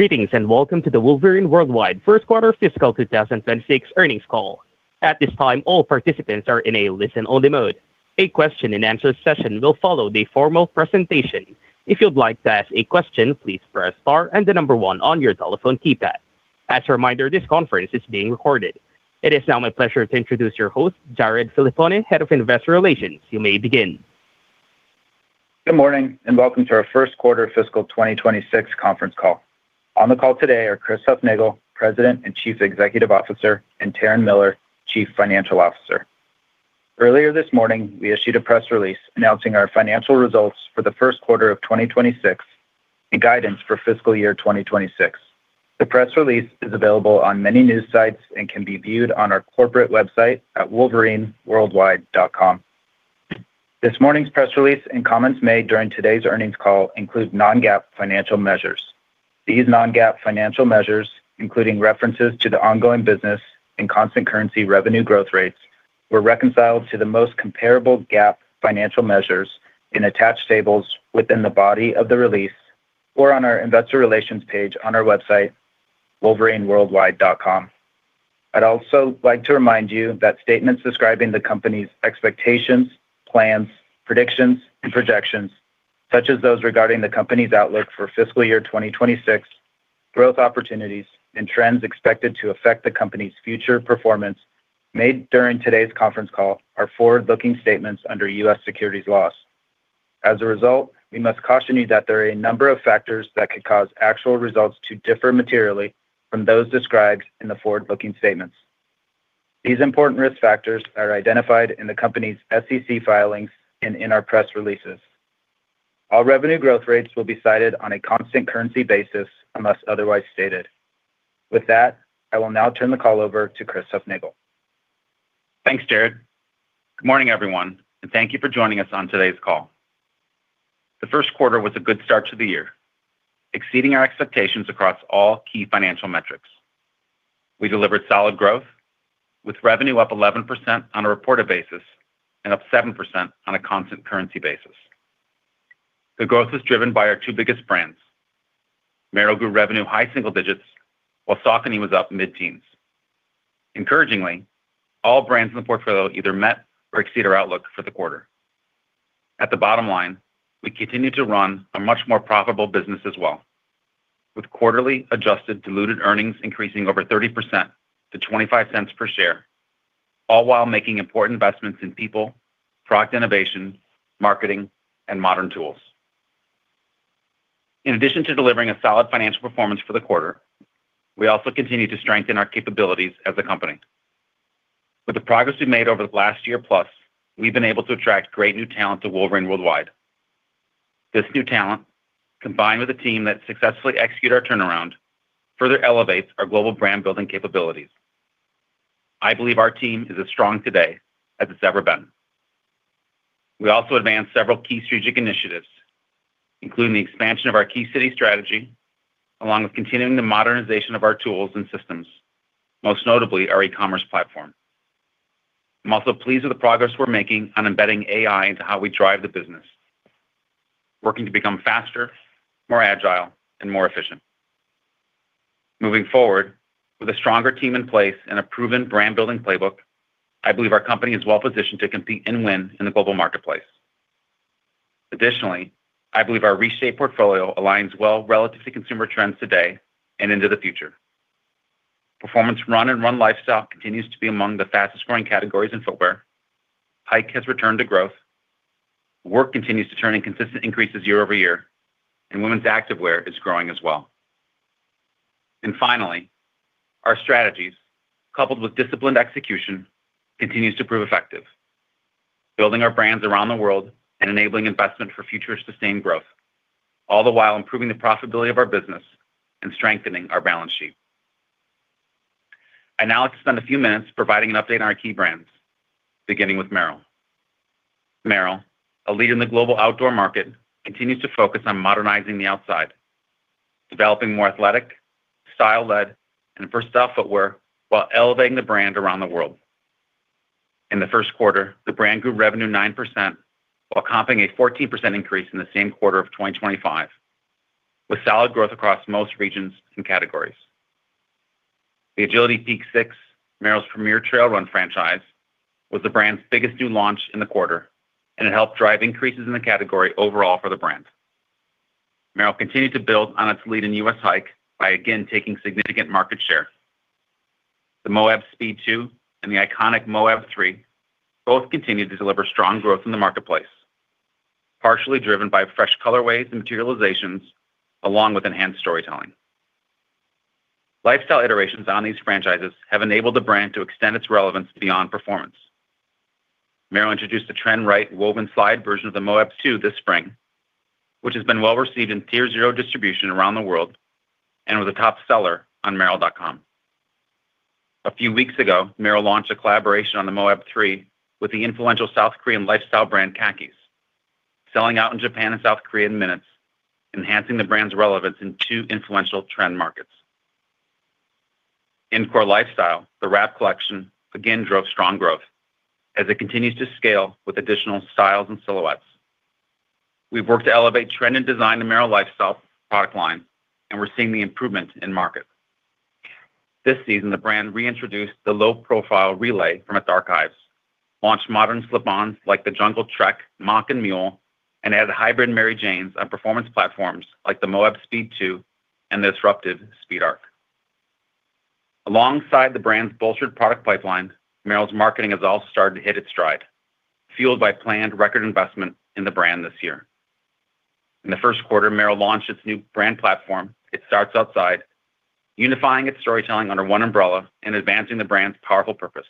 Greetings, welcome to the Wolverine World Wide Q1 Fiscal 2026 Earnings Call. At this time, all participants are in a listen-only mode. A question-and-answer session will follow the formal presentation. If you'd like to ask a question, please press star and the number 1 on your telephone keypad. As a reminder, this conference is being recorded. It is now my pleasure to introduce your host, Jared Filippone, Head of Investor Relations. You may begin. Good morning, and welcome to our Q1 Fiscal 2026 Conference Call. On the call today are Chris Hufnagel, President and Chief Executive Officer, and Taryn Miller, Chief Financial Officer. Earlier this morning, we issued a press release announcing our financial results for the Q1 of 2026 and guidance for fiscal year 2026. The press release is available on many news sites and can be viewed on our corporate website at wolverineworldwide.com. This morning's press release and comments made during today's earnings call include non-GAAP financial measures. These non-GAAP financial measures, including references to the ongoing business and constant currency revenue growth rates, were reconciled to the most comparable GAAP financial measures in attached tables within the body of the release or on our Investor Relations page on our website, wolverineworldwide.com. I'd also like to remind you that statements describing the company's expectations, plans, predictions, and projections, such as those regarding the company's outlook for fiscal year 2026, growth opportunities, and trends expected to affect the company's future performance made during today's conference call are forward-looking statements under U.S. securities laws. We must caution you that there are a number of factors that could cause actual results to differ materially from those described in the forward-looking statements. These important risk factors are identified in the company's SEC filings and in our press releases. All revenue growth rates will be cited on a constant currency basis unless otherwise stated. I will now turn the call over to Chris Hufnagel. Thanks, Jared. Good morning, everyone, and thank you for joining us on today's call. The Q1 was a good start to the year, exceeding our expectations across all key financial metrics. We delivered solid growth with revenue up 11% on a reported basis and up 7% on a constant currency basis. The growth was driven by our two biggest brands. Merrell grew revenue high single digits, while Saucony was up mid-teens. Encouragingly, all brands in the portfolio either met or exceeded our outlook for the quarter. At the bottom line, we continue to run a much more profitable business as well, with quarterly adjusted diluted earnings increasing over 30% to $0.25 per share, all while making important investments in people, product innovation, marketing, and modern tools. In addition to delivering a solid financial performance for the quarter, we also continue to strengthen our capabilities as a company. With the progress we've made over the last year plus, we've been able to attract great new talent to Wolverine World Wide. This new talent, combined with a team that successfully execute our turnaround, further elevates our global brand-building capabilities. I believe our team is as strong today as it's ever been. We also advanced several key strategic initiatives, including the expansion of our key city strategy, along with continuing the modernization of our tools and systems, most notably our e-commerce platform. I'm also pleased with the progress we're making on embedding AI into how we drive the business, working to become faster, more agile, and more efficient. Moving forward, with a stronger team in place and a proven brand-building playbook, I believe our company is well-positioned to compete and win in the global marketplace. Additionally, I believe our reshaped portfolio aligns well relative to consumer trends today and into the future. Performance run and run lifestyle continues to be among the fastest-growing categories in footwear. Hike has returned to growth. Work continues to turn in consistent increases year-over-year, women's activewear is growing as well. Finally, our strategies, coupled with disciplined execution, continues to prove effective, building our brands around the world and enabling investment for future sustained growth, all the while improving the profitability of our business and strengthening our balance sheet. I'd now like to spend a few minutes providing an update on our key brands, beginning with Merrell. Merrell, a leader in the global outdoor market, continues to focus on modernizing the outside, developing more athletic, style-led, and versatile footwear while elevating the brand around the world. In the Q1, the brand grew revenue 9% while comping a 14% increase in the same quarter of 2025, with solid growth across most regions and categories. The Agility Peak 6, Merrell's premier trail run franchise, was the brand's biggest new launch in the quarter, and it helped drive increases in the category overall for the brand. Merrell continued to build on its lead in U.S. hike by again taking significant market share. The Moab Speed 2 and the iconic Moab 3 both continued to deliver strong growth in the marketplace, partially driven by fresh colorways and materializations along with enhanced storytelling. Lifestyle iterations on these franchises have enabled the brand to extend its relevance beyond performance. Merrell introduced a trend right woven slide version of the Moab 2 this spring, which has been well-received in Tier 0 distribution around the world and was a top seller on merrell.com. A few weeks ago, Merrell launched a collaboration on the Moab 3 with the influential South Korean lifestyle brand Khakis, selling out in Japan and South Korea in minutes, enhancing the brand's relevance in two influential trend markets. In core lifestyle, the Wrap collection again drove strong growth as it continues to scale with additional styles and silhouettes. We've worked to elevate trend and design in Merrell lifestyle product line, and we're seeing the improvements in market. This season, the brand reintroduced the low-profile Relay from its archives, launched modern slip-ons like the Jungle Moc and Mule, and added Hybrid Mary Janes on performance platforms like the Moab Speed 2 and the disruptive SpeedArc. Alongside the brand's bolstered product pipeline, Merrell's marketing has also started to hit its stride, fueled by planned record investment in the brand this year. In the Q1, Merrell launched its new brand platform, It Starts Outside, unifying its storytelling under one umbrella and advancing the brand's powerful purpose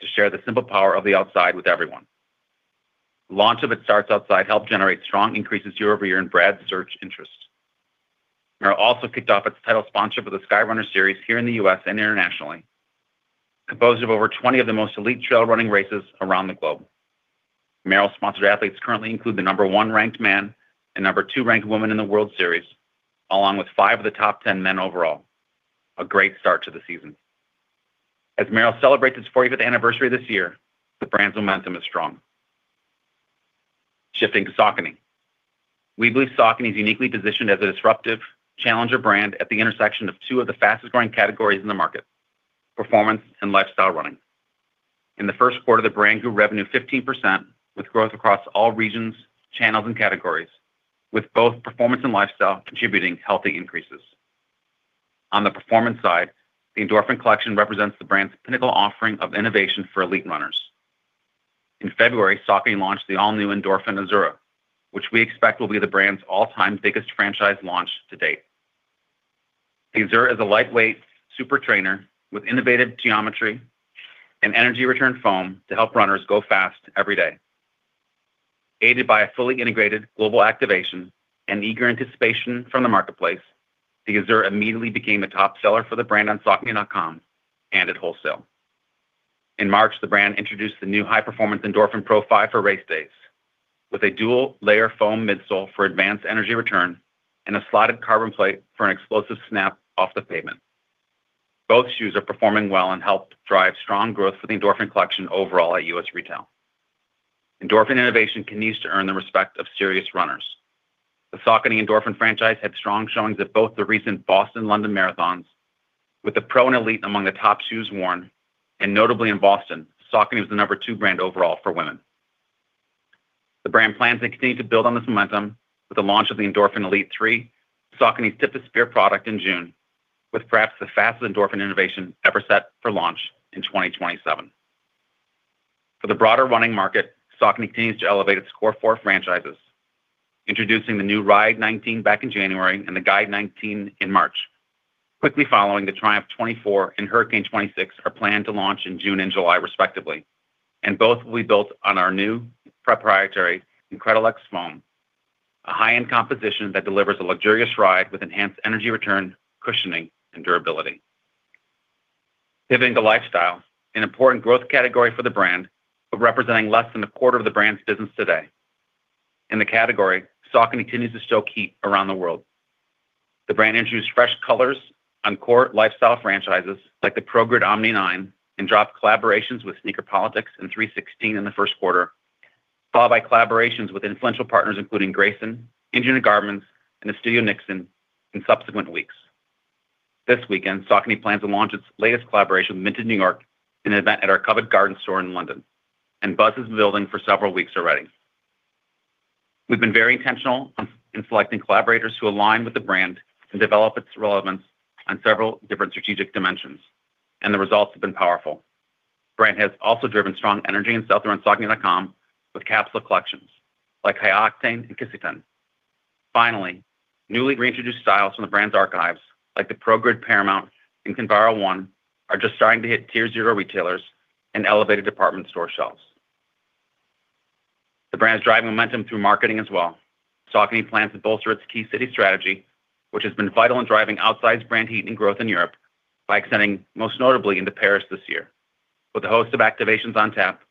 to share the simple power of the outside with everyone. Launch of It Starts Outside helped generate strong increases year-over-year in brand search interest. Merrell also kicked off its title sponsorship of the Skyrunner World Series here in the U.S. and internationally, composed of over 20 of the most elite trail running races around the globe. Merrell-sponsored athletes currently include the number 1 ranked man and number 2 ranked woman in the World Series, along with 5 of the top 10 men overall. A great start to the season. As Merrell celebrates its 45th anniversary this year, the brand's momentum is strong. Shifting to Saucony. We believe Saucony is uniquely positioned as a disruptive challenger brand at the intersection of two of the fastest-growing categories in the market, performance and lifestyle running. In the Q1, the brand grew revenue 15% with growth across all regions, channels, and categories, with both performance and lifestyle contributing healthy increases. On the performance side, the Endorphin collection represents the brand's pinnacle offering of innovation for elite runners. In February, Saucony launched the all-new Endorphin Azura, which we expect will be the brand's all-time biggest franchise launch to date. The Azura is a lightweight super trainer with innovative geometry and energy return foam to help runners go fast every day. Aided by a fully integrated global activation and eager anticipation from the marketplace, the Azura immediately became the top seller for the brand on saucony.com and at wholesale. In March, the brand introduced the new high-performance Endorphin Pro 5 for race days with a dual-layer foam midsole for advanced energy return and a slotted carbon plate for an explosive snap off the pavement. Both shoes are performing well and help drive strong growth for the Endorphin collection overall at U.S. retail. Endorphin innovation continues to earn the respect of serious runners. The Saucony Endorphin franchise had strong showings at both the recent Boston London marathons with the Pro and Elite among the top shoes worn, and notably in Boston, Saucony was the number 2 brand overall for women. The brand plans to continue to build on this momentum with the launch of the Endorphin Elite 3, Saucony's tip-of-spear product in June, with perhaps the fastest Endorphin innovation ever set for launch in 2027. For the broader running market, Saucony continues to elevate its core four franchises, introducing the new Ride 19 back in January and the Guide 19 in March. Quickly following, the Triumph 24 and Hurricane 26 are planned to launch in June and July respectively, and both will be built on our new proprietary Incredilex foam, a high-end composition that delivers a luxurious ride with enhanced energy return, cushioning, and durability. Pivoting to lifestyle, an important growth category for the brand, but representing less than a quarter of the brand's business today. In the category, Saucony continues to stoke heat around the world. The brand introduced fresh colors on core lifestyle franchises like the ProGrid Omni 9 and dropped collaborations with Sneaker Politics and 3sixteen in the Q1, followed by collaborations with influential partners including Grenson, Engineered Garments, and Estudio Niksen in subsequent weeks. This weekend, Saucony plans to launch its latest collaboration with Mint New York in an event at our Covent Garden store in London, and buzz is building for several weeks already. We've been very intentional in selecting collaborators who align with the brand and develop its relevance on several different strategic dimensions, and the results have been powerful. The brand has also driven strong energy and sell-through on saucony.com with capsule collections like Hi Octane and Kissaten. Finally, newly reintroduced styles from the brand's archives like the ProGrid Paramount and Kinvara 1 are just starting to hit Tier 0 retailers and elevated department store shelves. The brand is driving momentum through marketing as well. Saucony plans to bolster its key city strategy, which has been vital in driving outsides brand heat and growth in Europe by extending most notably into Paris this year with a host of activations on tap,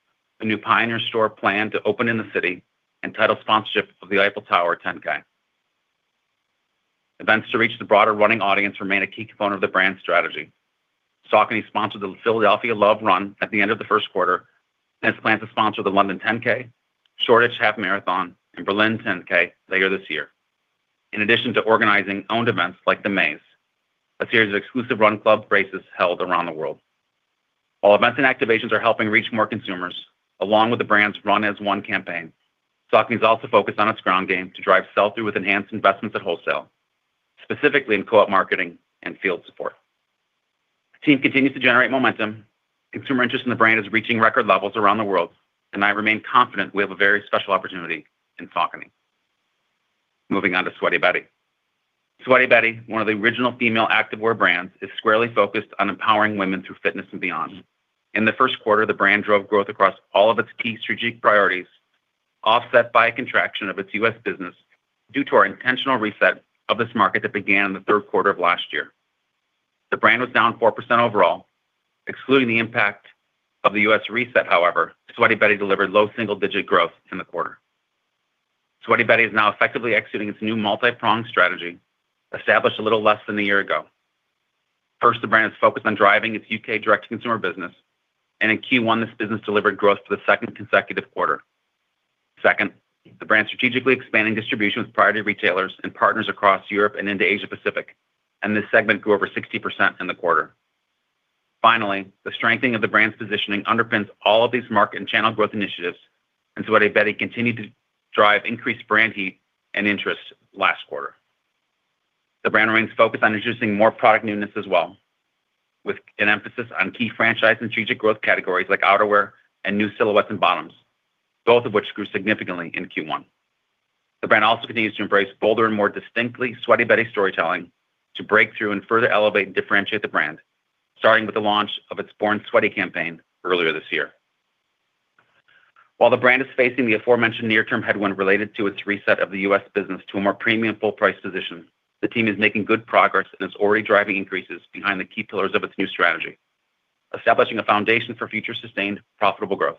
a new Pioneer store planned to open in the city, and title sponsorship of the Eiffel Tower 10K. Events to reach the broader running audience remain a key component of the brand strategy. Saucony sponsored the Saucony Love Run Philadelphia at the end of the Q1 and has planned to sponsor the Saucony London 10K, Saucony Run Shoreditch Half Marathon, and Saucony BLN 10K later this year. In addition to organizing owned events like The Maze, a series of exclusive run club races held around the world. While events and activations are helping reach more consumers, along with the brand's Run As One campaign, Saucony is also focused on its ground game to drive sell-through with enhanced investments at wholesale, specifically in co-op marketing and field support. The team continues to generate momentum. Consumer interest in the brand is reaching record levels around the world, and I remain confident we have a very special opportunity in Saucony. Moving on to Sweaty Betty. Sweaty Betty, one of the original female activewear brands, is squarely focused on empowering women through fitness and beyond. In the Q1, the brand drove growth across all of its key strategic priorities, offset by a contraction of its U.S. business due to our intentional reset of this market that began in the Q3 of last year. The brand was down 4% overall. Excluding the impact of the U.S. reset, however, Sweaty Betty delivered low single-digit growth in the quarter. Sweaty Betty is now effectively executing its new multi-pronged strategy established a little less than a year ago. First, the brand is focused on driving its U.K. direct-to-consumer business. In Q1, this business delivered growth for the second consecutive quarter. Second, the brand is strategically expanding distribution with priority retailers and partners across Europe and into Asia Pacific. This segment grew over 60% in the quarter. Finally, the strengthening of the brand's positioning underpins all of these market and channel growth initiatives. Sweaty Betty continued to drive increased brand heat and interest last quarter. The brand remains focused on introducing more product newness as well, with an emphasis on key franchise strategic growth categories like outerwear and new silhouettes and bottoms, both of which grew significantly in Q1. The brand also continues to embrace bolder and more distinctly Sweaty Betty storytelling to break through and further elevate and differentiate the brand, starting with the launch of its Born Sweaty campaign earlier this year. While the brand is facing the aforementioned near-term headwind related to its reset of the U.S. business to a more premium full-price position, the team is making good progress and is already driving increases behind the key pillars of its new strategy, establishing a foundation for future sustained profitable growth.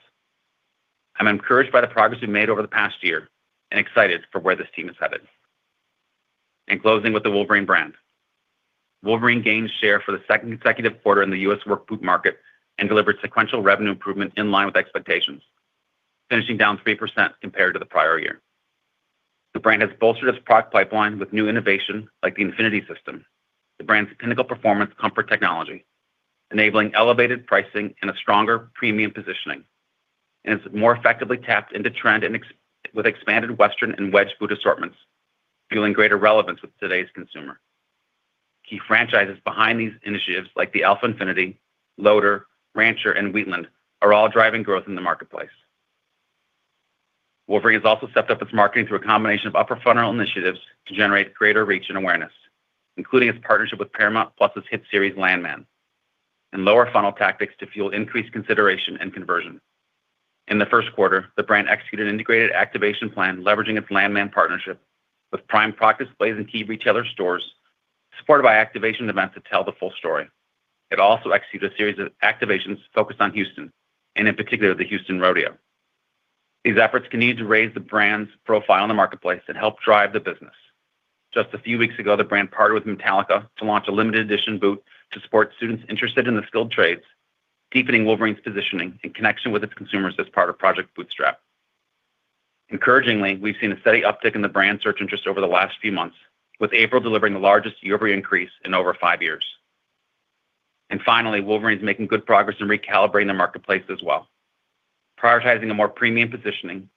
I'm encouraged by the progress we've made over the past year and excited for where this team is headed. In closing with the Wolverine brand. Wolverine gained share for the second consecutive quarter in the U.S. work boot market and delivered sequential revenue improvement in line with expectations, finishing down 3% compared to the prior year. The brand has bolstered its product pipeline with new innovation like the Infinity System, the brand's pinnacle performance comfort technology, enabling elevated pricing and a stronger premium positioning, it's more effectively tapped into trend with expanded western and wedge boot assortments, fueling greater relevance with today's consumer. Key franchises behind these initiatives like the Alpha Infinity, Loader, Rancher, and Wheatland are all driving growth in the marketplace. Wolverine has also stepped up its marketing through a combination of upper funnel initiatives to generate greater reach and awareness, including its partnership with Paramount+ hit series, Landman, and lower funnel tactics to fuel increased consideration and conversion. In the Q1, the brand executed an integrated activation plan leveraging its Landman partnership with prime practice plays in key retailer stores, supported by activation events that tell the full story. It also executed a series of activations focused on Houston and in particular, the Houston Rodeo. These efforts continued to raise the brand's profile in the marketplace and help drive the business. Just a few weeks ago, the brand partnered with Metallica to launch a limited edition boot to support students interested in the skilled trades, deepening Wolverine's positioning in connection with its consumers as part of Project Bootstrap. Encouragingly, we've seen a steady uptick in the brand search interest over the last few months, with April delivering the largest year-over-year increase in over five years. Finally, Wolverine is making good progress in recalibrating the marketplace as well, prioritizing a more premium positioning,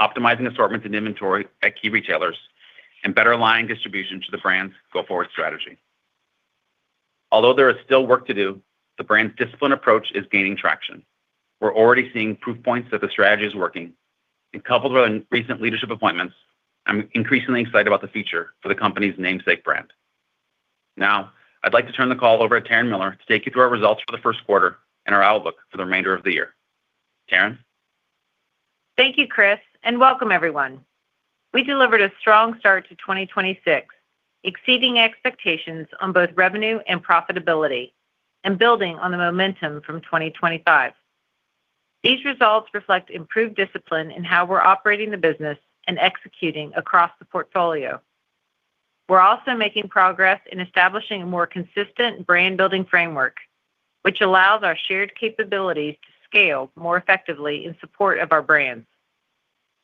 optimizing assortments and inventory at key retailers, and better aligning distribution to the brand's go-forward strategy. Although there is still work to do, the brand's disciplined approach is gaining traction. We're already seeing proof points that the strategy is working, and coupled with recent leadership appointments, I'm increasingly excited about the future for the company's namesake brand. I'd like to turn the call over to Taryn Miller to take you through our results for the Q1 and our outlook for the remainder of the year. Taryn? Thank you, Chris, and welcome everyone. We delivered a strong start to 2026, exceeding expectations on both revenue and profitability and building on the momentum from 2025. These results reflect improved discipline in how we're operating the business and executing across the portfolio. We're also making progress in establishing a more consistent brand-building framework, which allows our shared capabilities to scale more effectively in support of our brands.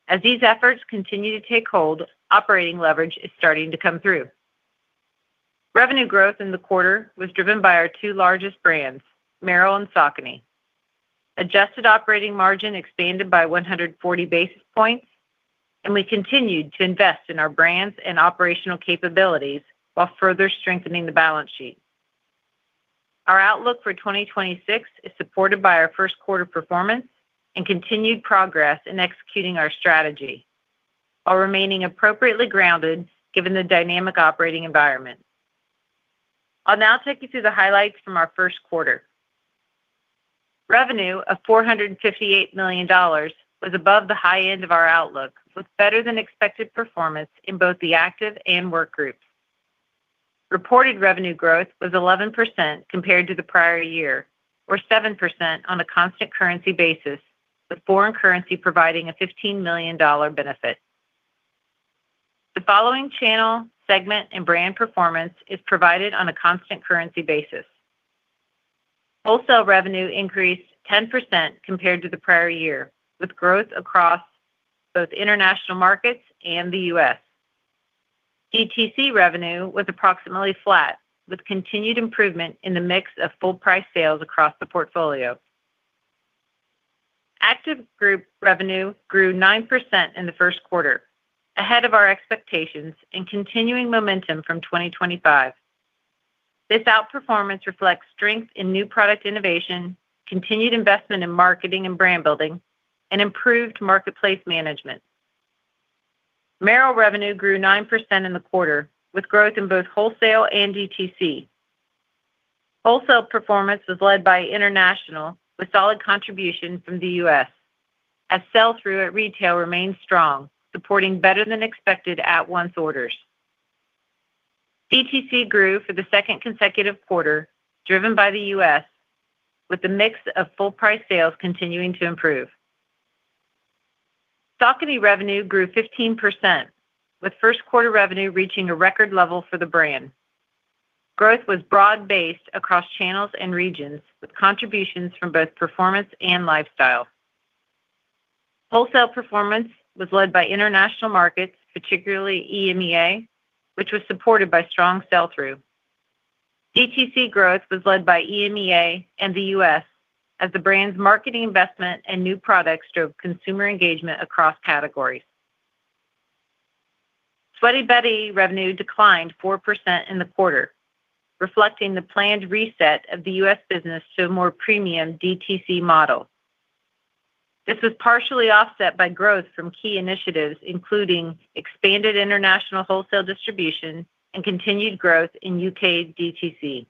As these efforts continue to take hold, operating leverage is starting to come through. Revenue growth in the quarter was driven by our two largest brands, Merrell and Saucony. Adjusted operating margin expanded by 140 basis points, and we continued to invest in our brands and operational capabilities while further strengthening the balance sheet. Our outlook for 2026 is supported by our Q1 performance and continued progress in executing our strategy while remaining appropriately grounded given the dynamic operating environment. I'll now take you through the highlights from our Q1. Revenue of $458 million was above the high end of our outlook, with better-than-expected performance in both the Active Group and Work Group. Reported revenue growth was 11% compared to the prior year, or 7% on a constant currency basis, with foreign currency providing a $15 million benefit. Following channel, segment, and brand performance is provided on a constant currency basis. Wholesale revenue increased 10% compared to the prior year, with growth across both international markets and the U.S. DTC revenue was approximately flat, with continued improvement in the mix of full-price sales across the portfolio. Active Group revenue grew 9% in the Q1, ahead of our expectations and continuing momentum from 2025. This outperformance reflects strength in new product innovation, continued investment in marketing and brand building, and improved marketplace management. Merrell revenue grew 9% in the quarter, with growth in both wholesale and DTC. Wholesale performance was led by international with solid contribution from the U.S., as sell-through at retail remained strong, supporting better than expected at-once orders. DTC grew for the second consecutive quarter, driven by the U.S., with the mix of full price sales continuing to improve. Saucony revenue grew 15%, with Q1 revenue reaching a record level for the brand. Growth was broad-based across channels and regions, with contributions from both performance and lifestyle. Wholesale performance was led by international markets, particularly EMEA, which was supported by strong sell-through. DTC growth was led by EMEA and the U.S. as the brand's marketing investment and new products drove consumer engagement across categories. Sweaty Betty revenue declined 4% in the quarter, reflecting the planned reset of the U.S. business to a more premium DTC model. This was partially offset by growth from key initiatives, including expanded international wholesale distribution and continued growth in U.K. DTC.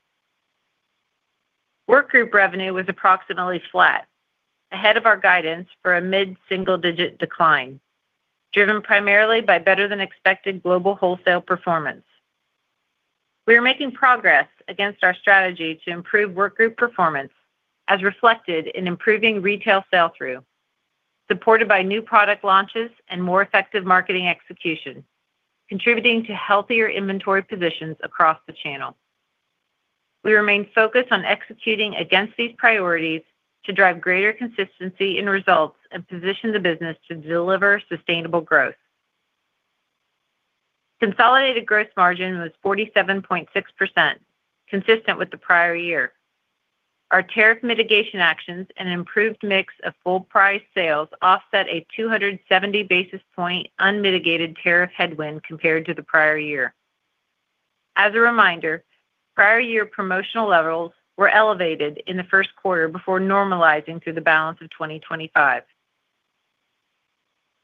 Work Group revenue was approximately flat, ahead of our guidance for a mid-single-digit decline, driven primarily by better-than-expected global wholesale performance. We are making progress against our strategy to improve Work Group performance, as reflected in improving retail sell-through, supported by new product launches and more effective marketing execution, contributing to healthier inventory positions across the channel. We remain focused on executing against these priorities to drive greater consistency in results and position the business to deliver sustainable growth. Consolidated gross margin was 47.6%, consistent with the prior year. Our tariff mitigation actions and improved mix of full price sales offset a 270 basis point unmitigated tariff headwind compared to the prior year. As a reminder, prior year promotional levels were elevated in the Q1 before normalizing through the balance of 2025.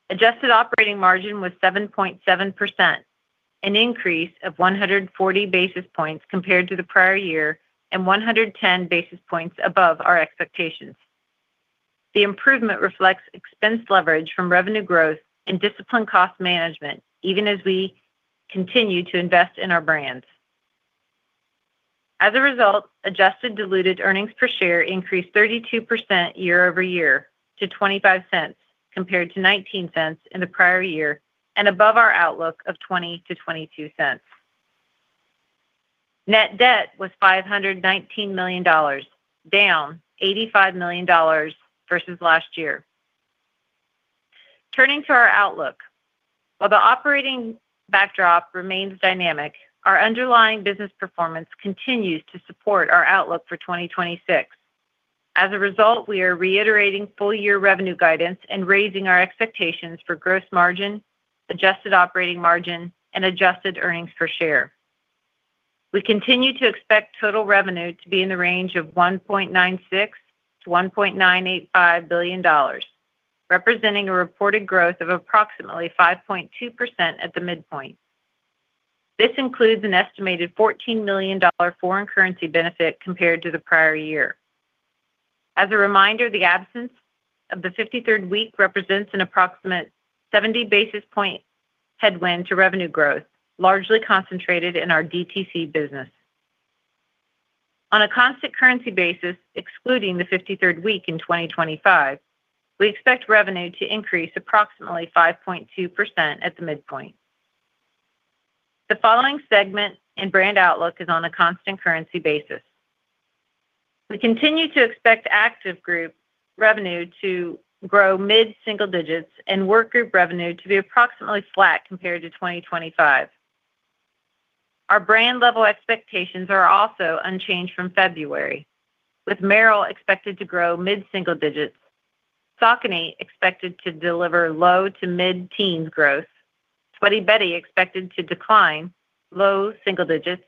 Adjusted operating margin was 7.7%, an increase of 140 basis points compared to the prior year and 110 basis points above our expectations. The improvement reflects expense leverage from revenue growth and disciplined cost management, even as we continue to invest in our brands. As a result, adjusted diluted earnings per share increased 32% year-over-year to $0.25 compared to $0.19 in the prior year and above our outlook of $0.20-$0.22. Net debt was $519 million, down $85 million versus last year. Turning to our outlook. While the operating backdrop remains dynamic, our underlying business performance continues to support our outlook for 2026. As a result, we are reiterating full year revenue guidance and raising our expectations for gross margin, adjusted operating margin and adjusted EPS. We continue to expect total revenue to be in the range of $1.96 billion-$1.985 billion, representing a reported growth of approximately 5.2% at the midpoint. This includes an estimated $14 million foreign currency benefit compared to the prior year. As a reminder, the absence of the 53rd week represents an approximate 70 basis point headwind to revenue growth, largely concentrated in our DTC business. On a constant currency basis, excluding the 53rd week in 2025, we expect revenue to increase approximately 5.2% at the midpoint. The following segment and brand outlook is on a constant currency basis. We continue to expect Active Group revenue to grow mid-single digits and Work Group revenue to be approximately flat compared to 2025. Our brand level expectations are also unchanged from February, with Merrell expected to grow mid-single digits, Saucony expected to deliver low- to mid-teens growth, Sweaty Betty expected to decline low single digits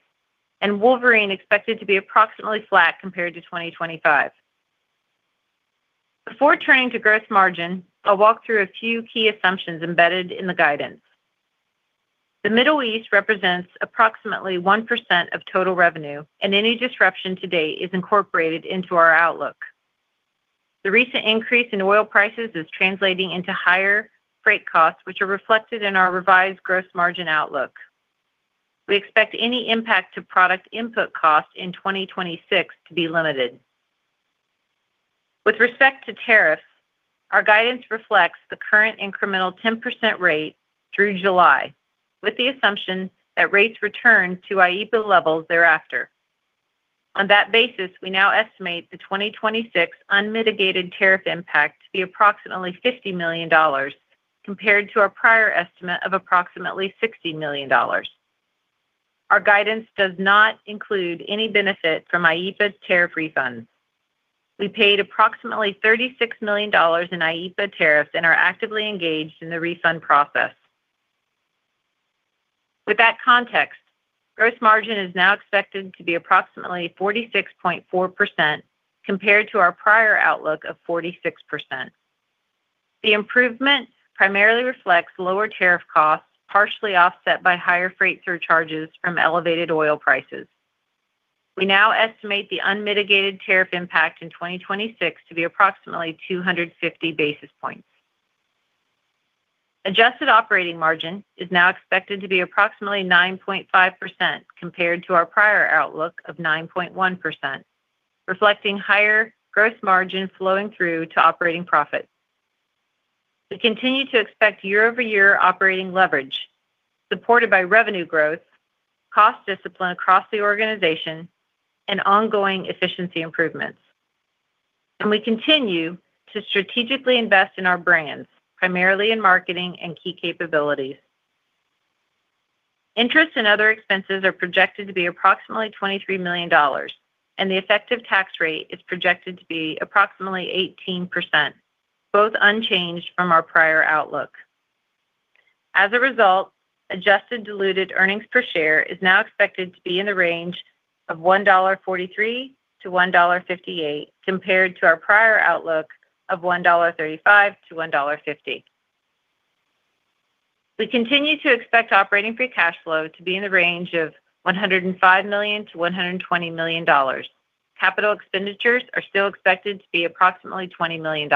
and Wolverine expected to be approximately flat compared to 2025. Before turning to gross margin, I'll walk through a few key assumptions embedded in the guidance. The Middle East represents approximately 1% of total revenue and any disruption to date is incorporated into our outlook. The recent increase in oil prices is translating into higher freight costs, which are reflected in our revised gross margin outlook. We expect any impact to product input costs in 2026 to be limited. With respect to tariffs, our guidance reflects the current incremental 10% rate through July, with the assumption that rates return to IEPA levels thereafter. On that basis, we now estimate the 2026 unmitigated tariff impact to be approximately $50 million compared to our prior estimate of approximately $60 million. Our guidance does not include any benefit from IEPA's tariff refunds. We paid approximately $36 million in IEPA tariffs and are actively engaged in the refund process. With that context, gross margin is now expected to be approximately 46.4% compared to our prior outlook of 46%. The improvement primarily reflects lower tariff costs, partially offset by higher freight surcharges from elevated oil prices. We now estimate the unmitigated tariff impact in 2026 to be approximately 250 basis points. Adjusted operating margin is now expected to be approximately 9.5% compared to our prior outlook of 9.1%, reflecting higher gross margin flowing through to operating profits. We continue to expect year-over-year operating leverage supported by revenue growth, cost discipline across the organization, and ongoing efficiency improvements. We continue to strategically invest in our brands, primarily in marketing and key capabilities. Interest and other expenses are projected to be approximately $23 million, and the effective tax rate is projected to be approximately 18%, both unchanged from our prior outlook. As a result, adjusted diluted earnings per share is now expected to be in the range of $1.43-$1.58, compared to our prior outlook of $1.35-$1.50. We continue to expect operating free cash flow to be in the range of $105 million-$120 million. Capital expenditures are still expected to be approximately $20 million.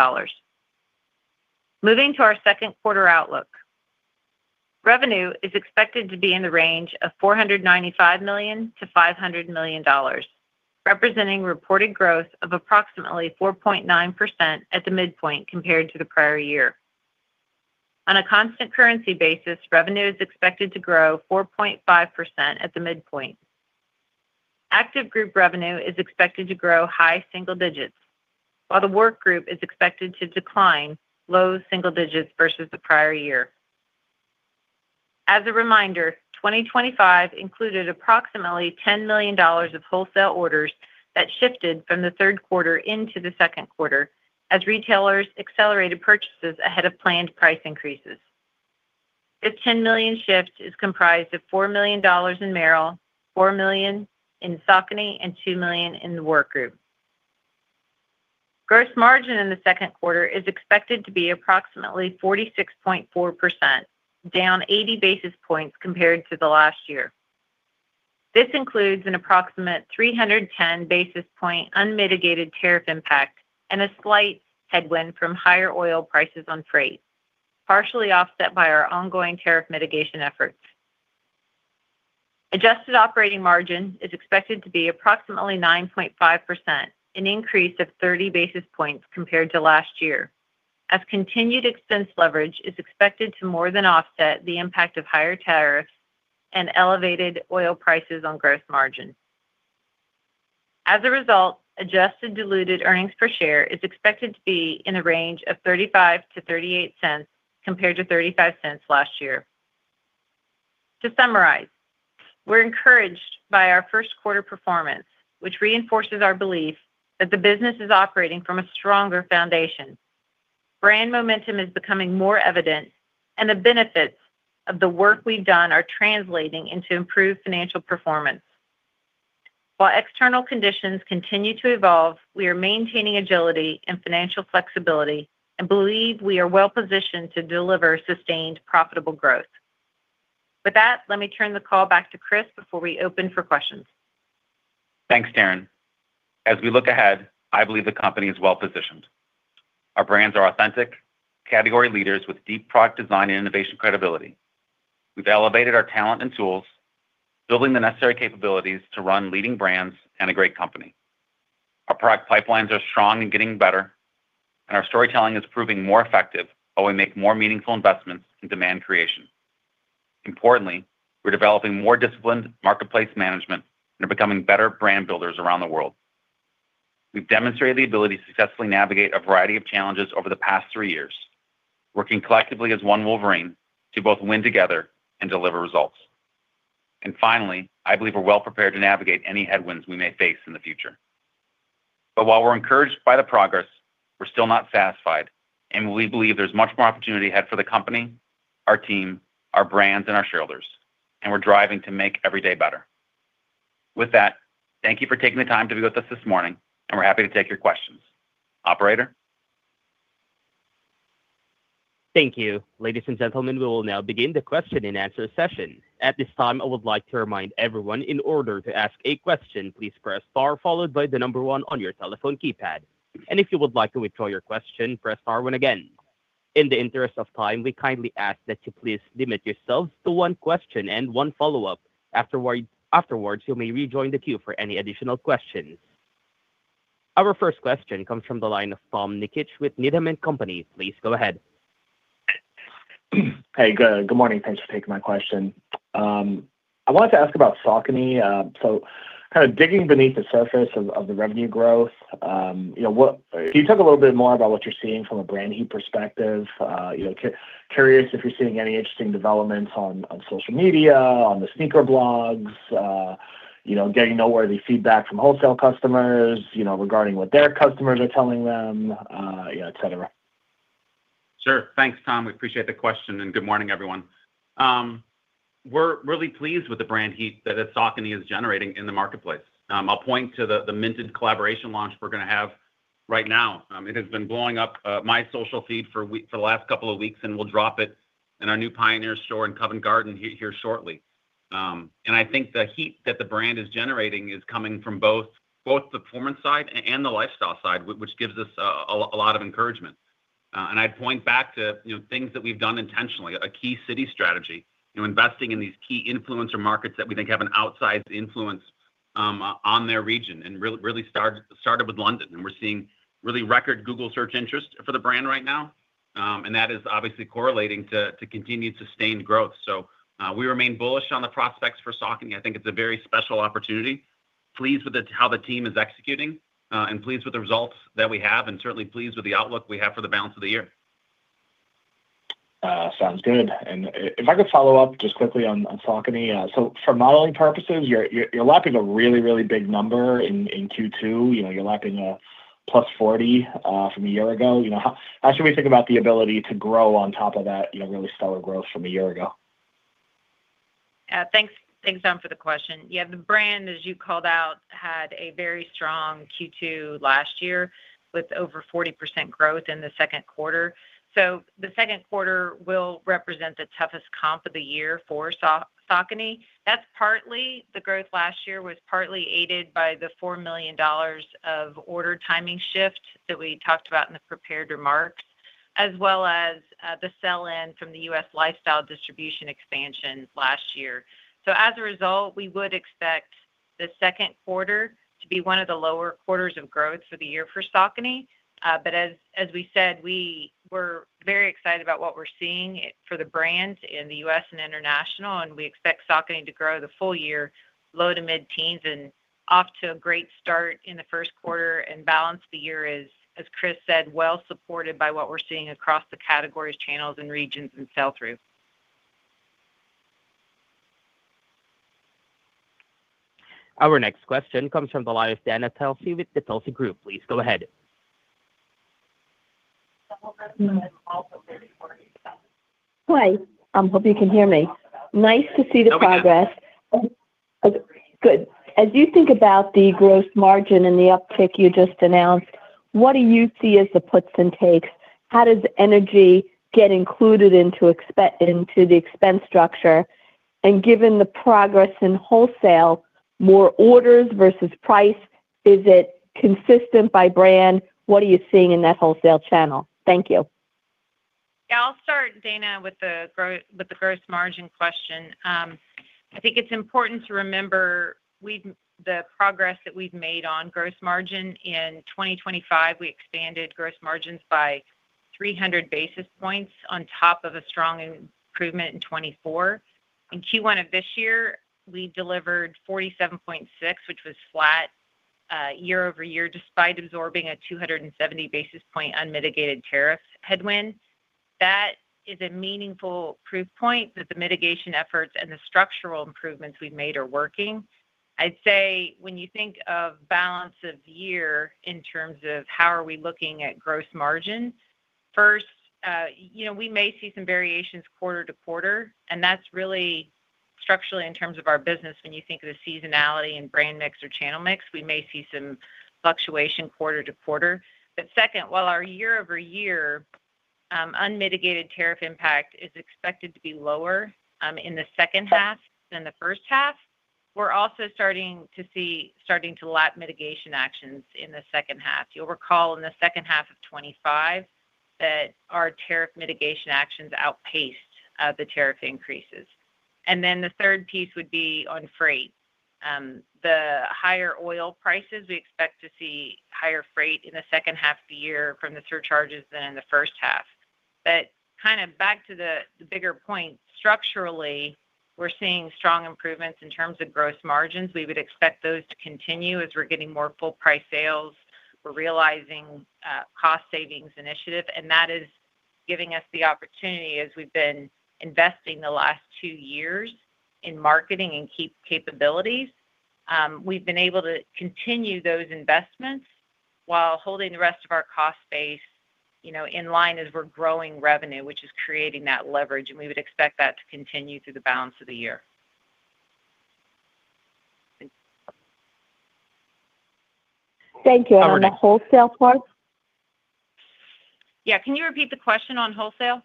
Moving to our Q2 outlook. Revenue is expected to be in the range of $495 million-$500 million, representing reported growth of approximately 4.9% at the midpoint compared to the prior year. On a constant currency basis, revenue is expected to grow 4.5% at the midpoint. Active Group revenue is expected to grow high single digits, while the Work Group is expected to decline low single digits versus the prior year. As a reminder, 2025 included approximately $10 million of wholesale orders that shifted from the Q3 into the Q2 as retailers accelerated purchases ahead of planned price increases. This $10 million shift is comprised of $4 million in Merrell, $4 million in Saucony, and $2 million in the Work Group. Gross margin in the Q2 is expected to be approximately 46.4%, down 80 basis points compared to last year. This includes an approximate 310 basis point unmitigated tariff impact and a slight headwind from higher oil prices on freight, partially offset by our ongoing tariff mitigation efforts. Adjusted operating margin is expected to be approximately 9.5%, an increase of 30 basis points compared to last year, as continued expense leverage is expected to more than offset the impact of higher tariffs and elevated oil prices on gross margin. As a result, adjusted diluted earnings per share is expected to be in the range of $0.35-$0.38 compared to $0.35 last year. To summarize, we're encouraged by our Q1 performance, which reinforces our belief that the business is operating from a stronger foundation. Brand momentum is becoming more evident and the benefits of the work we've done are translating into improved financial performance. While external conditions continue to evolve, we are maintaining agility and financial flexibility and believe we are well positioned to deliver sustained profitable growth. With that, let me turn the call back to Chris before we open for questions. Thanks, Taryn. As we look ahead, I believe the company is well positioned. Our brands are authentic category leaders with deep product design and innovation credibility. We've elevated our talent and tools, building the necessary capabilities to run leading brands and a great company. Our product pipelines are strong and getting better, our storytelling is proving more effective while we make more meaningful investments in demand creation. Importantly, we're developing more disciplined marketplace management and are becoming better brand builders around the world. We've demonstrated the ability to successfully navigate a variety of challenges over the past three years, working collectively as one Wolverine to both win together and deliver results. Finally, I believe we're well prepared to navigate any headwinds we may face in the future. While we're encouraged by the progress, we're still not satisfied. We believe there's much more opportunity ahead for the company, our team, our brands, and our shareholders. We're driving to make every day better. With that, thank you for taking the time to be with us this morning. We're happy to take your questions. Operator? Thank you. Ladies and gentlemen, we will now begin the question-and-answer session. At this time, I would like to remind everyone in order to ask a question, please press star followed by the number 1 on your telephone keypad. If you would like to withdraw your question, press *1 again. In the interest of time, we kindly ask that you please limit yourselves to one question and one follow-up. Afterwards, you may rejoin the queue for any additional questions. Our first question comes from the line of Tom Nikic with Needham & Company. Please go ahead. Hey, good morning. Thanks for taking my question. I wanted to ask about Saucony. Kinda digging beneath the surface of the revenue growth, you know, can you talk a little bit more about what you're seeing from a brand heat perspective? You know, curious if you're seeing any interesting developments on social media, on the sneaker blogs, you know, getting noteworthy feedback from wholesale customers, you know, regarding what their customers are telling them, et cetera. Sure. Thanks, Tom. We appreciate the question. Good morning, everyone. We're really pleased with the brand heat that Saucony is generating in the marketplace. I'll point to the Minted collaboration launch we're gonna have right now. It has been blowing up my social feed for the last couple of weeks, and we'll drop it in our new Pioneer store in Covent Garden here shortly. I think the heat that the brand is generating is coming from both the performance side and the lifestyle side, which gives us a lot of encouragement. I point back to, you know, things that we've done intentionally. A key city strategy. You know, investing in these key influencer markets that we think have an outsized influence on their region, and really started with London, and we're seeing really record Google Search interest for the brand right now. And that is obviously correlating to continued sustained growth. We remain bullish on the prospects for Saucony. I think it's a very special opportunity. Pleased with how the team is executing, and pleased with the results that we have, and certainly pleased with the outlook we have for the balance of the year. Sounds good. If I could follow up just quickly on Saucony. For modeling purposes, you're lapping a really big number in Q2. You know, you're lapping a +40% from a year ago. You know, how should we think about the ability to grow on top of that, you know, really stellar growth from a year ago? Thanks, thanks, Tom, for the question. Yeah, the brand, as you called out, had a very strong Q2 last year with over 40% growth in the Q2. The Q2 will represent the toughest comp of the year for Saucony. That's partly the growth last year was partly aided by the $4 million of order timing shift that we talked about in the prepared remarks, as well as the sell-in from the U.S. lifestyle distribution expansion last year. As a result, we would expect the Q2 to be one of the lower quarters of growth for the year for Saucony. As we said, we were very excited about what we're seeing for the brand in the U.S. and International. We expect Saucony to grow the full year low to mid-teens and off to a great start in the Q1 and balance the year, as Chris said, well-supported by what we're seeing across the categories, channels and regions in sell-through. Our next question comes from the line of Dana Telsey with Telsey Advisory Group. Please go ahead. Hope you can hear me. Nice to see the progress. No problem. Good. As you think about the gross margin and the uptick you just announced, what do you see as the puts and takes? How does energy get included into the expense structure? Given the progress in wholesale, more orders versus price, is it consistent by brand? What are you seeing in that wholesale channel? Thank you. I'll start, Dana, with the gross margin question. I think it's important to remember we've the progress that we've made on gross margin. In 2025, we expanded gross margins by 300 basis points on top of a strong improvement in 2024. In Q1 of this year, we delivered 47.6, which was flat year-over-year, despite absorbing a 270 basis point unmitigated tariff headwind. That is a meaningful proof point that the mitigation efforts and the structural improvements we've made are working. I'd say when you think of balance of year in terms of how are we looking at gross margin, first, you know, we may see some variations quarter-to-quarter, and that's really structurally in terms of our business, when you think of the seasonality and brand mix or channel mix, we may see some fluctuation quarter-to-quarter. Second, while our year-over-year unmitigated tariff impact is expected to be lower in the second half than the first half, we're also starting to lap mitigation actions in the second half. You'll recall in the second half of 2025 that our tariff mitigation actions outpaced the tariff increases. The third piece would be on freight. The higher oil prices, we expect to see higher freight in the second half of the year from the surcharges than in the first half. Kind of back to the bigger point, structurally, we're seeing strong improvements in terms of gross margins. We would expect those to continue as we're getting more full price sales. We're realizing cost savings initiative, and that is giving us the opportunity as we've been investing the last two years in marketing and capabilities. We've been able to continue those investments while holding the rest of our cost base, you know, in line as we're growing revenue, which is creating that leverage, and we would expect that to continue through the balance of the year. Thank you and the wholesale part? Yeah. Can you repeat the question on wholesale?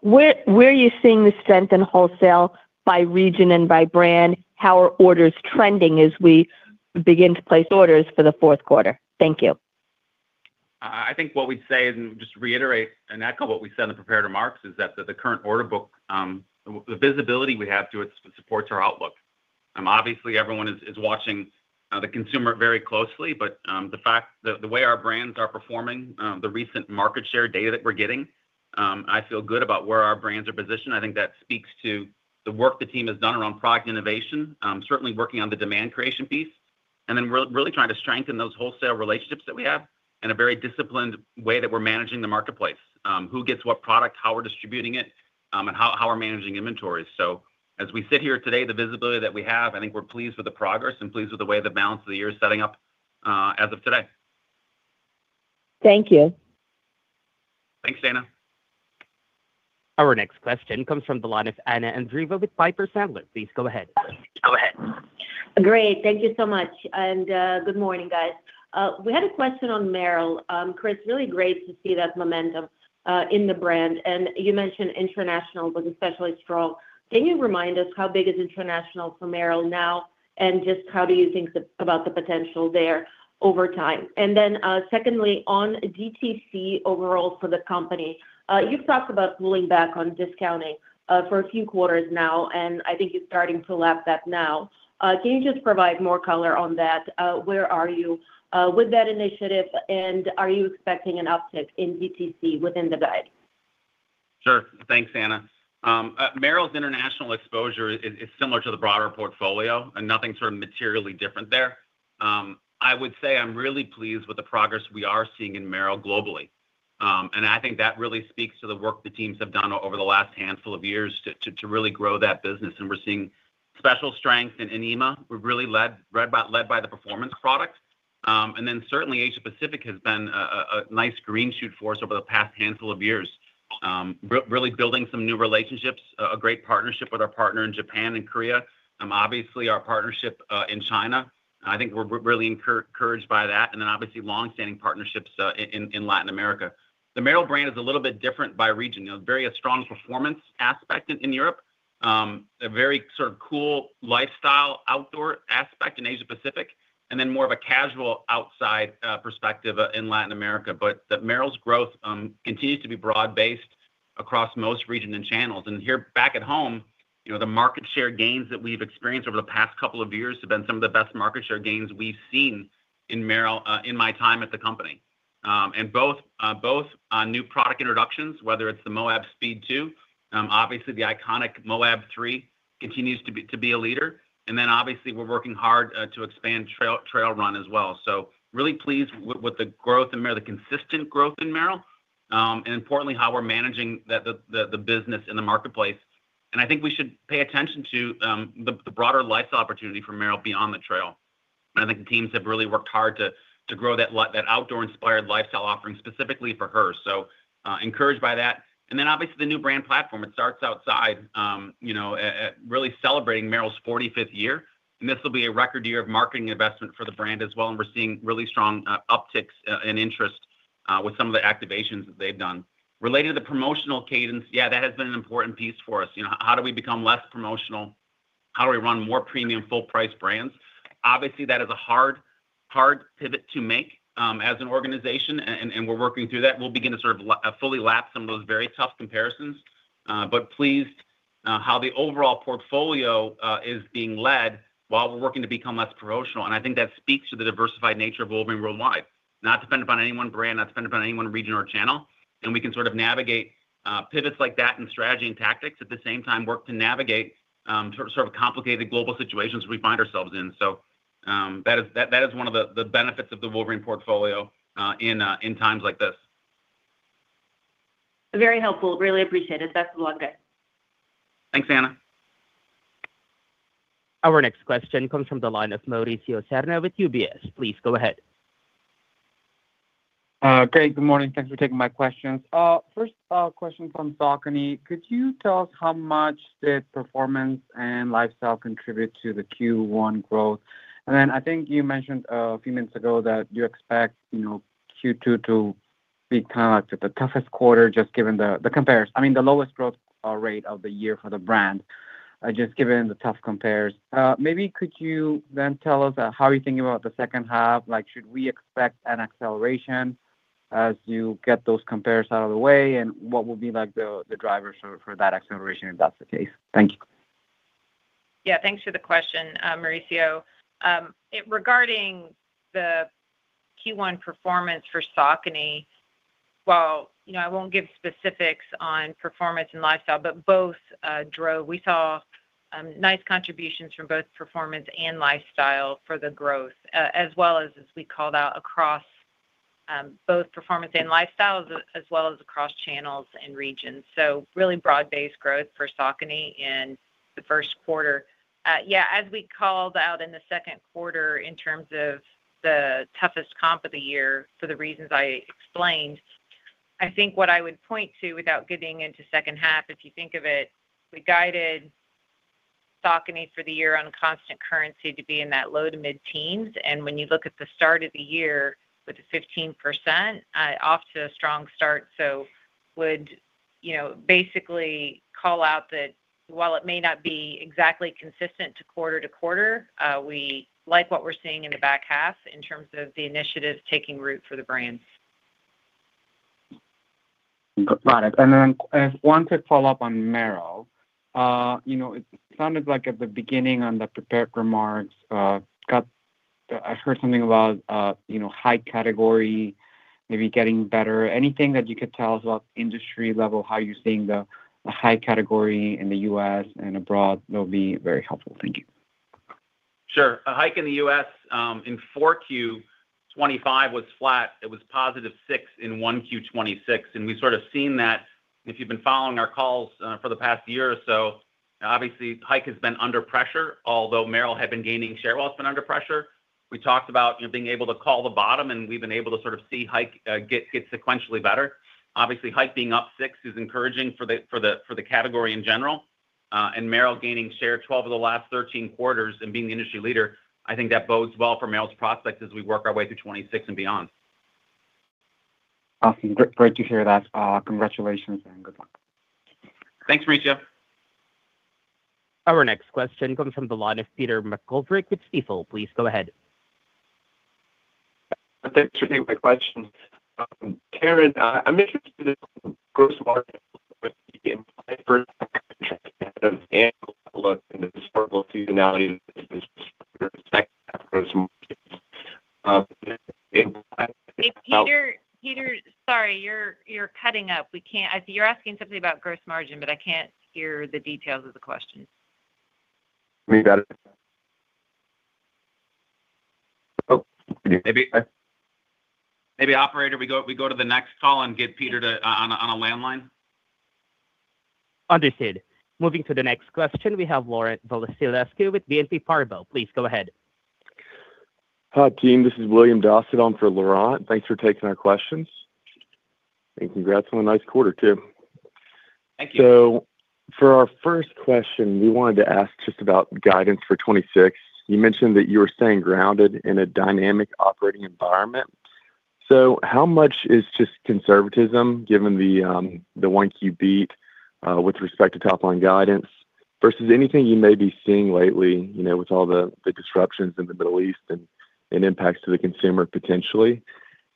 Where are you seeing the strength in wholesale by region and by brand? How are orders trending as we begin to place orders for the Q4? Thank you. I think what we'd say and just reiterate and echo what we said in the prepared remarks is that the current order book, the visibility we have to it supports our outlook. Obviously everyone is watching the consumer very closely, but the way our brands are performing, the recent market share data that we're getting, I feel good about where our brands are positioned. I think that speaks to the work the team has done around product innovation, certainly working on the demand creation piece, and then really trying to strengthen those wholesale relationships that we have in a very disciplined way that we're managing the marketplace. Who gets what product, how we're distributing it, and how we're managing inventories. As we sit here today, the visibility that we have, I think we're pleased with the progress and pleased with the way the balance of the year is setting up, as of today. Thank you. Thanks, Dana. Our next question comes from the line of Anna Andreeva with Piper Sandler. Please go ahead. Great. Thank you so much. Good morning, guys. We had a question on Merrell. Chris, really great to see that momentum in the brand. You mentioned international was especially strong. Can you remind us how big is international for Merrell now, and just how do you think about the potential there over time? Secondly, on DTC overall for the company, you've talked about pulling back on discounting for a few quarters now, and I think you're starting to lap that now. Can you just provide more color on that? Where are you with that initiative? Are you expecting an uptick in DTC within the guide? Sure. Thanks, Anna. Merrell's international exposure is similar to the broader portfolio and nothing sort of materially different there. I would say I'm really pleased with the progress we are seeing in Merrell globally. I think that really speaks to the work the teams have done over the last handful of years to really grow that business. We're seeing special strength in EMEA. We're really led by the performance product. Certainly Asia Pacific has been a nice green shoot for us over the past handful of years. Really building some new relationships, a great partnership with our partner in Japan and Korea. Obviously our partnership in China, I think we're really encouraged by that. Obviously longstanding partnerships in Latin America. The Merrell brand is a little bit different by region. You know, very strong performance aspect in Europe. A very sort of cool lifestyle outdoor aspect in Asia Pacific, then more of a casual outside perspective in Latin America. The Merrell's growth continues to be broad-based across most regions and channels. Here back at home, you know, the market share gains that we've experienced over the past couple of years have been some of the best market share gains we've seen in Merrell in my time at the company. Both on new product introductions, whether it's the Moab Speed 2, obviously the iconic Moab 3 continues to be a leader. Obviously we're working hard to expand Trail Run as well. Really pleased with the growth in Merrell, the consistent growth in Merrell, and importantly, how we're managing the business in the marketplace. I think we should pay attention to the broader lifestyle opportunity for Merrell beyond the trail. I think the teams have really worked hard to grow that outdoor inspired lifestyle offering specifically for her. Encouraged by that. Obviously the new brand platform, It Starts Outside, you know, really celebrating Merrell's 45th year. This will be a record year of marketing investment for the brand as well. We're seeing really strong upticks and interest with some of the activations that they've done. Related to the promotional cadence, that has been an important piece for us. You know, how do we become less promotional? How do we run more premium full price brands? That is a hard, hard pivot to make as an organization, and we're working through that. We'll begin to sort of fully lap some of those very tough comparisons. Pleased how the overall portfolio is being led while we're working to become less promotional. I think that speaks to the diversified nature of Wolverine World Wide. Not dependent upon any one brand, not dependent upon any one region or channel. We can sort of navigate pivots like that and strategy and tactics at the same time work to navigate sort of complicated global situations we find ourselves in. That is one of the benefits of the Wolverine portfolio in times like this. Very helpful. Really appreciate it. That's all I got. Thanks, Anna. Our next question comes from the line of Mauricio Serna with UBS. Please go ahead. Great. Good morning. Thanks for taking my questions. First, question from Saucony. Could you tell us how much did performance and lifestyle contribute to the Q1 growth? I think you mentioned a few minutes ago that you expect, you know, Q2 to be kind of the toughest quarter just given the comparison. I mean, the lowest growth rate of the year for the brand, just given the tough compares. Maybe could you then tell us how are you thinking about the second half? Like, should we expect an acceleration as you get those compares out of the way? What would be like the drivers for that acceleration if that's the case? Thank you. Thanks for the question, Mauricio. Regarding the Q1 performance for Saucony, while, you know, I won't give specifics on performance and lifestyle, but both drove. We saw nice contributions from both performance and lifestyle for the growth, as well as we called out across both performance and lifestyles as well as across channels and regions. Really broad-based growth for Saucony in the Q1. As we called out in the Q2 in terms of the toughest comp of the year for the reasons I explained, I think what I would point to without getting into second half, if you think of it, we guided Saucony for the year on constant currency to be in that low to mid-teens. When you look at the start of the year with the 15%, off to a strong start. Would, you know, basically call out that while it may not be exactly consistent to quarter to quarter, we like what we're seeing in the back half in terms of the initiatives taking root for the brands. Got it. If I want to follow up on Merrell. You know, it sounded like at the beginning on the prepared remarks, I heard something about, you know, hike category maybe getting better. Anything that you could tell us about industry level, how you're seeing the hike category in the U.S. and abroad will be very helpful. Thank you. Sure. A hike in the U.S. in Q4 2025 was flat. It was +6 in Q1 2026. We sort of seen that if you've been following our calls for the past year or so. Obviously, hike has been under pressure, although Merrell had been gaining share while it's been under pressure. We talked about, you know, being able to call the bottom, and we've been able to sort of see hike get sequentially better. Obviously, hike being up 6 is encouraging for the category in general. Merrell gaining share 12 of the last 13 quarters and being the industry leader, I think that bodes well for Merrell's prospects as we work our way through 2026 and beyond. Awesome. Great to hear that. Congratulations and good luck. Thanks, Mauricio. Our next question comes from the line of Peter McGoldrick with Stifel. Please go ahead. Thanks for taking my question. Taryn Miller, I'm interested in gross margin with the implied first annual outlook and the historical seasonality second half gross margin. Hey, Peter. Peter, sorry, you're cutting up. I see you're asking something about gross margin, but I can't hear the details of the question. We got it. Maybe operator, we go to the next call and get Peter to on a landline. Understood. Moving to the next question, we have Laurent Vasilescu with BNP Paribas. Please go ahead. Hi, team. This is William Dossett on for Laurent. Thanks for taking our questions. Congrats on a nice quarter too. Thank you. For our first question, we wanted to ask just about guidance for 2026. You mentioned that you were staying grounded in a dynamic operating environment. How much is just conservatism given the Q1 beat with respect to top-line guidance versus anything you may be seeing lately, you know, with all the disruptions in the Middle East and impacts to the consumer potentially?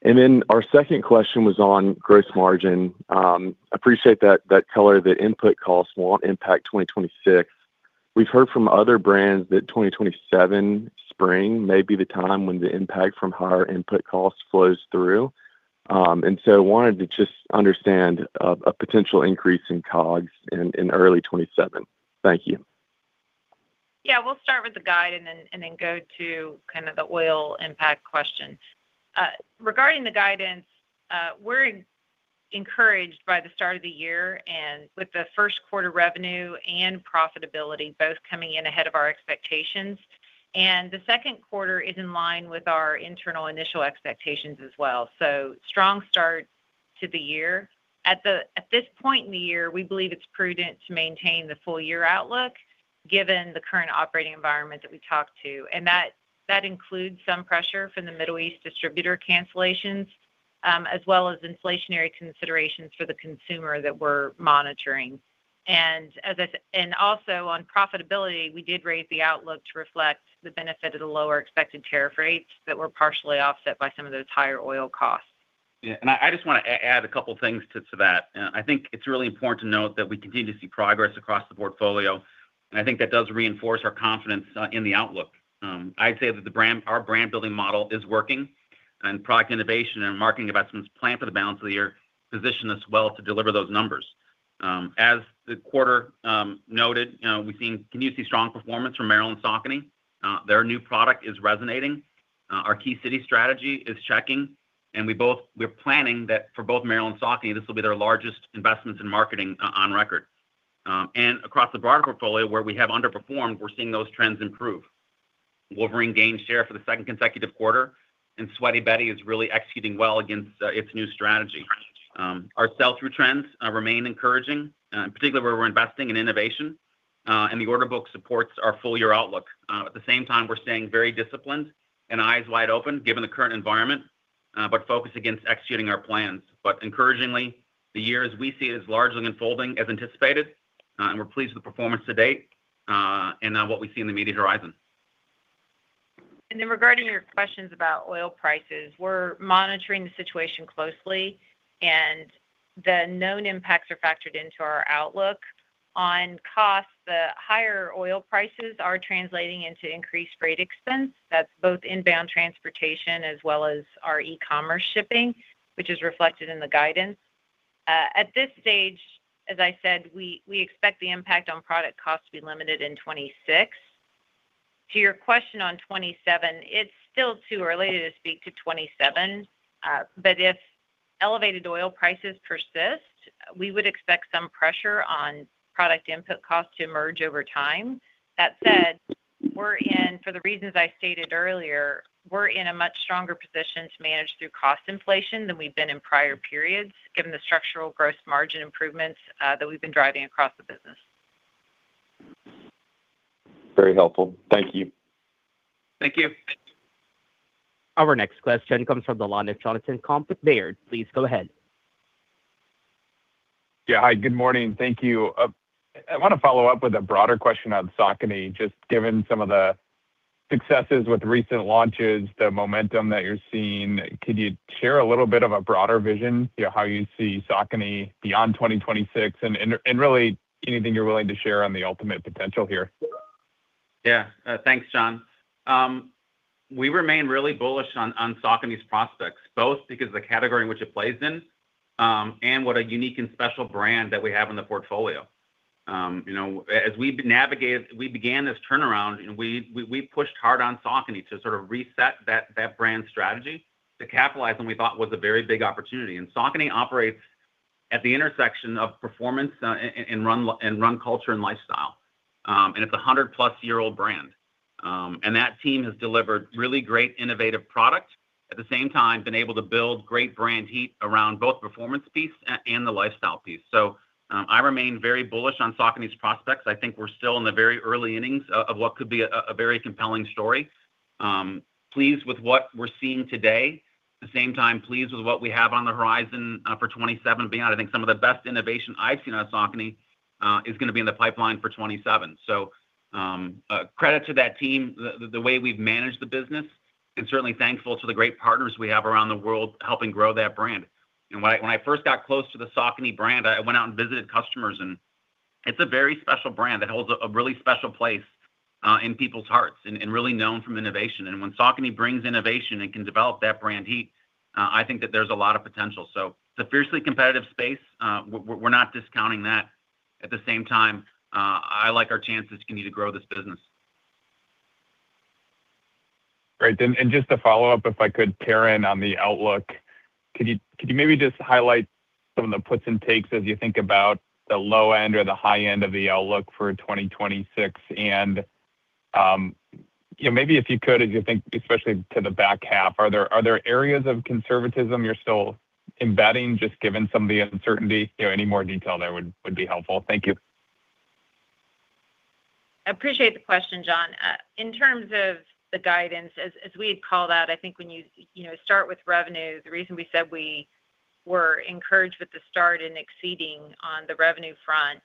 Our second question was on gross margin. Appreciate that color, the input cost won't impact 2026. We've heard from other brands that 2027 spring may be the time when the impact from higher input costs flows through. Wanted to just understand a potential increase in COGS in early 2027. Thank you. We'll start with the guide and then go to kind of the oil impact question. Regarding the guidance, we're encouraged by the start of the year and with the Q1 revenue and profitability both coming in ahead of our expectations. The Q2 is in line with our internal initial expectations as well. Strong start to the year. At this point in the year, we believe it's prudent to maintain the full year outlook given the current operating environment that we talked to. That includes some pressure from the Middle East distributor cancellations, as well as inflationary considerations for the consumer that we're monitoring. Also on profitability, we did raise the outlook to reflect the benefit of the lower expected tariff rates that were partially offset by some of those higher oil costs. Yeah. I just want to add a couple things to that. I think it's really important to note that we continue to see progress across the portfolio, and I think that does reinforce our confidence in the outlook. I'd say that our brand-building model is working, and product innovation and marketing investments planned for the balance of the year position us well to deliver those numbers. As the quarter noted, you know, we've continued to see strong performance from Merrell and Saucony. Their new product is resonating. Our key city strategy is checking. We're planning that for both Merrell and Saucony, this will be their largest investments in marketing on record. Across the broader portfolio where we have underperformed, we're seeing those trends improve. Wolverine gained share for the second consecutive quarter, and Sweaty Betty is really executing well against its new strategy. Our sell-through trends remain encouraging, particularly where we're investing in innovation, and the order book supports our full year outlook. At the same time, we're staying very disciplined and eyes wide open given the current environment, but focused against executing our plans. Encouragingly, the year as we see it is largely unfolding as anticipated, and we're pleased with the performance to date, and what we see in the immediate horizon. Regarding your questions about oil prices, we're monitoring the situation closely and the known impacts are factored into our outlook. On costs, the higher oil prices are translating into increased freight expense. That's both inbound transportation as well as our e-commerce shipping, which is reflected in the guidance. At this stage, as I said, we expect the impact on product cost to be limited in 2026. To your question on 2027, it's still too early to speak to 2027. If elevated oil prices persist, we would expect some pressure on product input cost to emerge over time. That said, for the reasons I stated earlier, we're in a much stronger position to manage through cost inflation than we've been in prior periods, given the structural gross margin improvements that we've been driving across the business. Very helpful. Thank you. Thank you. Our next question comes from the line of Jonathan Komp with Baird. Please go ahead. Yeah. Hi, good morning. Thank you. I wanna follow up with a broader question on Saucony, just given some of the successes with recent launches, the momentum that you're seeing. Could you share a little bit of a broader vision, you know, how you see Saucony beyond 2026 and really anything you're willing to share on the ultimate potential here? Yeah. Thanks, Jonathan. We remain really bullish on Saucony's prospects, both because of the category in which it plays in, and what a unique and special brand that we have in the portfolio. You know, as we've navigated, we began this turnaround and we pushed hard on Saucony to sort of reset that brand strategy to capitalize on we thought was a very big opportunity. Saucony operates at the intersection of performance and run culture and lifestyle. It's a 100-plus-year-old brand. That team has delivered really great innovative product, at the same time been able to build great brand heat around both performance piece and the lifestyle piece. I remain very bullish on Saucony's prospects. I think we're still in the very early innings of what could be a very compelling story. Pleased with what we're seeing today. At the same time, pleased with what we have on the horizon for 2027 and beyond. I think some of the best innovation I've seen out of Saucony is gonna be in the pipeline for 2027. Credit to that team, the way we've managed the business, and certainly thankful to the great partners we have around the world helping grow that brand. When I first got close to the Saucony brand, I went out and visited customers, and it's a very special brand that holds a really special place in people's hearts and really known from innovation. When Saucony brings innovation and can develop that brand heat, I think that there's a lot of potential. It's a fiercely competitive space. We're not discounting that. At the same time, I like our chances continue to grow this business. Great. Just to follow up, if I could, Taryn, on the outlook, could you maybe just highlight some of the puts and takes as you think about the low end or the high end of the outlook for 2026? You know, maybe if you could, as you think especially to the back half, are there areas of conservatism you're still embedding just given some of the uncertainty? You know, any more detail there would be helpful. Thank you. I appreciate the question, Jonathan. In terms of the guidance, as we had called out, I think when you know, start with revenue, the reason we said we were encouraged with the start in exceeding on the revenue front,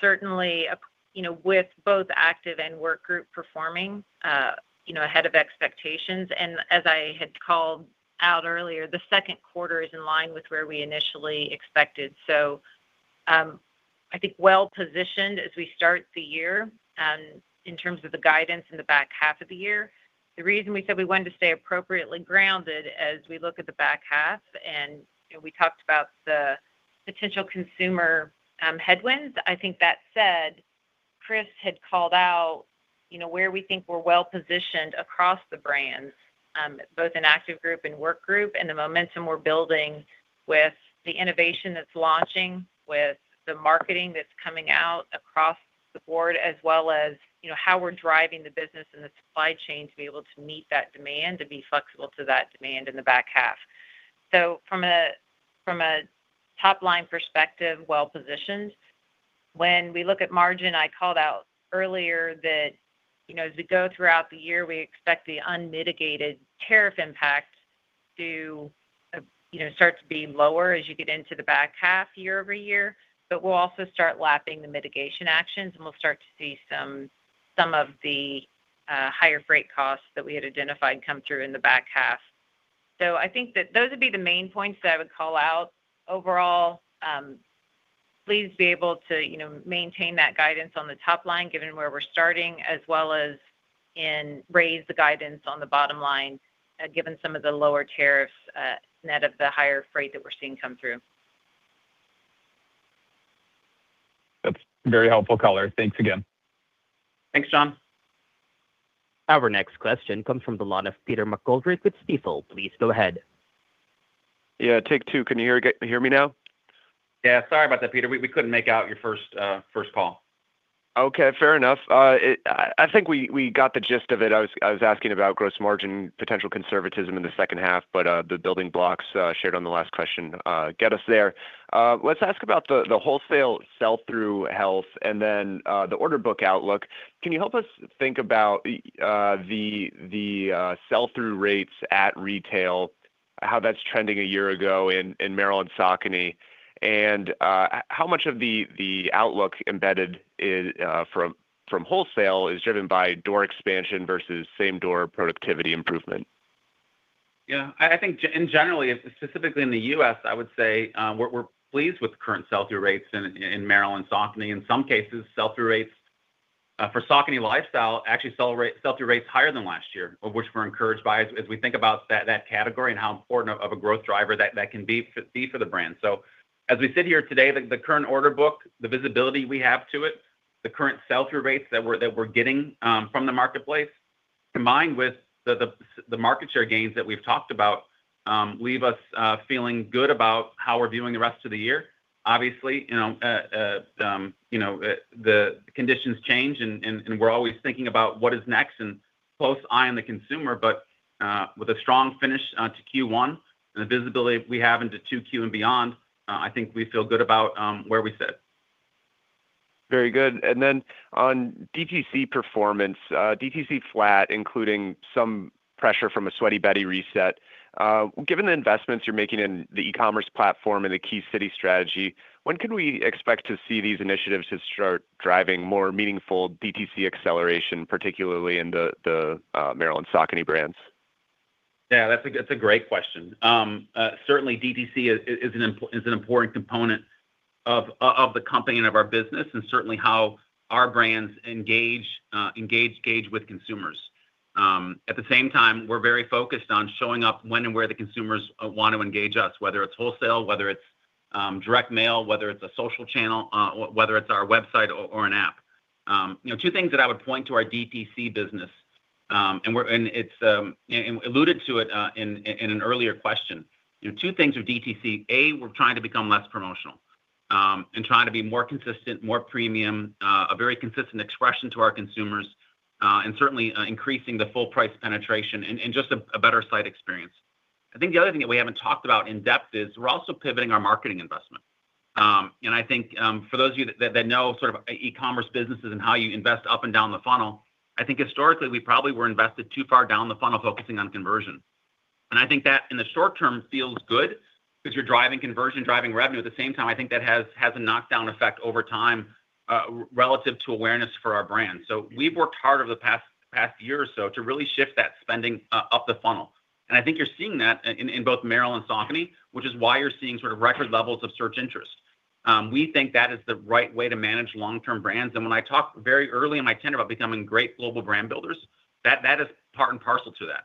certainly, you know, with both Active Group and Work Group performing, you know, ahead of expectations. And as I had called out earlier, the Q2 is in line with where we initially expected. I think well-positioned as we start the year, in terms of the guidance in the back half of the year. The reason we said we wanted to stay appropriately grounded as we look at the back half, you know, we talked about the potential consumer headwinds. I think that said, Chris had called out, you know, where we think we're well-positioned across the brands, both in Active Group and Work Group, and the momentum we're building with the innovation that's launching, with the marketing that's coming out across the board, as well as, you know, how we're driving the business and the supply chain to be able to meet that demand, to be flexible to that demand in the back half. From a, from a top-line perspective, well-positioned. When we look at margin, I called out earlier that, you know, as we go throughout the year, we expect the unmitigated tariff impact to, you know, start to be lower as you get into the back half year-over-year. We'll also start lapping the mitigation actions, and we'll start to see some of the higher freight costs that we had identified come through in the back half. I think that those would be the main points that I would call out overall. Pleased to be able to, you know, maintain that guidance on the top line, given where we're starting, as well as in raise the guidance on the bottom line, given some of the lower tariffs, net of the higher freight that we're seeing come through. That's very helpful color. Thanks again. Thanks, Jonathan. Our next question comes from the line of Peter McGoldrick with Stifel. Please go ahead. Yeah, take two. Can you hear me now? Yeah. Sorry about that, Peter. We couldn't make out your first first call. Okay, fair enough. I think we got the gist of it. I was asking about gross margin potential conservatism in the second half, but the building blocks shared on the last question get us there. Let's ask about the wholesale sell-through health and then the order book outlook. Can you help us think about the sell-through rates at retail, how that's trending a year ago in Merrell/Saucony, and how much of the outlook embedded from wholesale is driven by door expansion versus same-door productivity improvement? Yeah. I think generally, specifically in the U.S., I would say, we're pleased with the current sell-through rates in Merrell/Saucony. In some cases, sell-through rates for Saucony Lifestyle actually sell-through rates higher than last year, of which we're encouraged by as we think about that category and how important of a growth driver that can be for the brand. As we sit here today, the current order book, the visibility we have to it, the current sell-through rates that we're getting from the marketplace, combined with the market share gains that we've talked about, leave us feeling good about how we're viewing the rest of the year. Obviously, you know, you know, the conditions change and we're always thinking about what is next and close eye on the consumer. With a strong finish to Q1 and the visibility we have into Q2 and beyond, I think we feel good about where we sit. Very good. On DTC performance, DTC flat, including some pressure from a Sweaty Betty reset. Given the investments you're making in the e-commerce platform and the Key City Strategy, when can we expect to see these initiatives to start driving more meaningful DTC acceleration, particularly in the Merrell/Saucony brands? Yeah. That's a great question. Certainly DTC is an important component of the company and of our business, and certainly how our brands engage, gauge with consumers. At the same time, we're very focused on showing up when and where the consumers want to engage us, whether it's wholesale, whether it's direct mail, whether it's a social channel, whether it's our website or an app. You know, two things that I would point to our DTC business, it's alluded to it in an earlier question. You know, two things with DTC. We're trying to become less promotional, trying to be more consistent, more premium, a very consistent expression to our consumers, and certainly increasing the full price penetration and just a better site experience. I think the other thing that we haven't talked about in depth is we're also pivoting our marketing investment. I think, for those of you that know sort of e-commerce businesses and how you invest up and down the funnel, I think historically we probably were invested too far down the funnel focusing on conversion. I think that, in the short term, feels good because you're driving conversion, driving revenue. At the same time, I think that has a knockdown effect over time relative to awareness for our brand. We've worked hard over the past year or so to really shift that spending up the funnel, I think you're seeing that in both Merrell and Saucony, which is why you're seeing sort of record levels of search interest. We think that is the right way to manage long-term brands. When I talk very early in my tenure about becoming great global brand builders, that is part and parcel to that.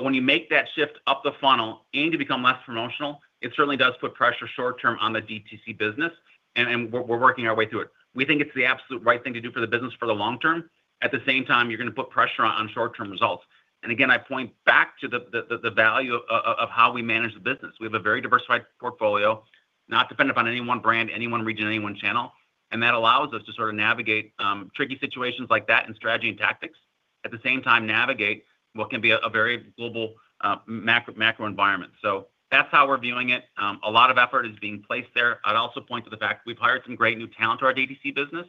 When you make that shift up the funnel and you become less promotional, it certainly does put pressure short term on the DTC business, and we're working our way through it. We think it's the absolute right thing to do for the business for the long term. At the same time, you're gonna put pressure on short-term results. Again, I point back to the value of how we manage the business. We have a very diversified portfolio, not dependent on any one brand, any one region, any one channel, and that allows us to sort of navigate tricky situations like that in strategy and tactics. At the same time, navigate what can be a very global macro environment. That's how we're viewing it. A lot of effort is being placed there. I'd also point to the fact that we've hired some great new talent to our DTC business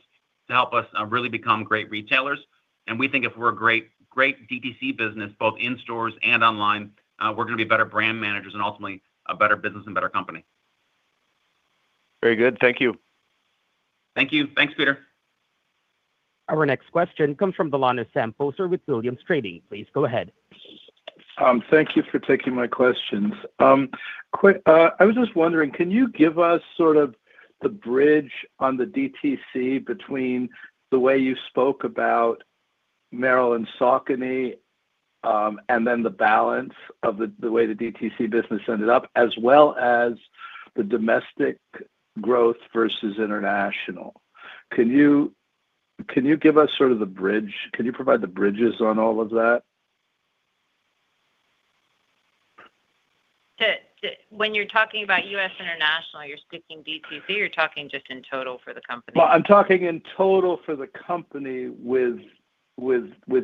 to help us really become great retailers, and we think if we're a great DTC business both in stores and online, we're gonna be better brand managers and ultimately a better business and better company. Very good. Thank you. Thank you. Thanks, Peter. Our next question comes from Sam Poser with Williams Trading. Please go ahead. Thank you for taking my questions. I was just wondering, can you give us sort of the bridge on the DTC between the way you spoke about Merrell and Saucony, and then the balance of the way the DTC business ended up, as well as the domestic growth versus international? Can you give us sort of the bridge? Can you provide the bridges on all of that? When you're talking about U.S. international, you're skipping DTC, you're talking just in total for the company. Well, I'm talking in total for the company with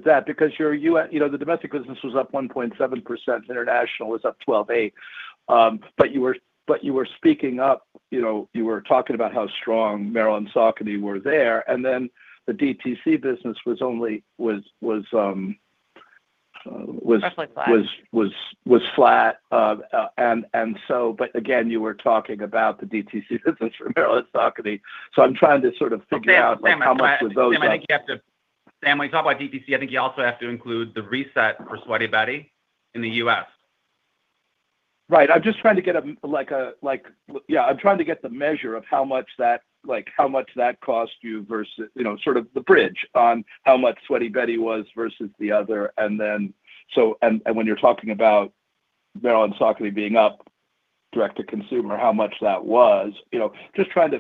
that, because you know, the domestic business was up 1.7%, international was up 12.8%. You were speaking up, you know, you were talking about how strong Merrell and Saucony were there, and then the DTC business was only- Roughly flat. was flat. Again, you were talking about the DTC business for Merrell and Saucony. I'm trying to sort of figure out like how much were those up? Sam, I think you have to, Sam, when you talk about DTC, I think you also have to include the reset for Sweaty Betty in the U.S. Right. I'm just trying to get a measure of how much that cost you versus, you know, sort of the bridge on how much Sweaty Betty was versus the other and then. When you're talking about Merrell and Saucony being up direct to consumer, how much that was. You know, just trying to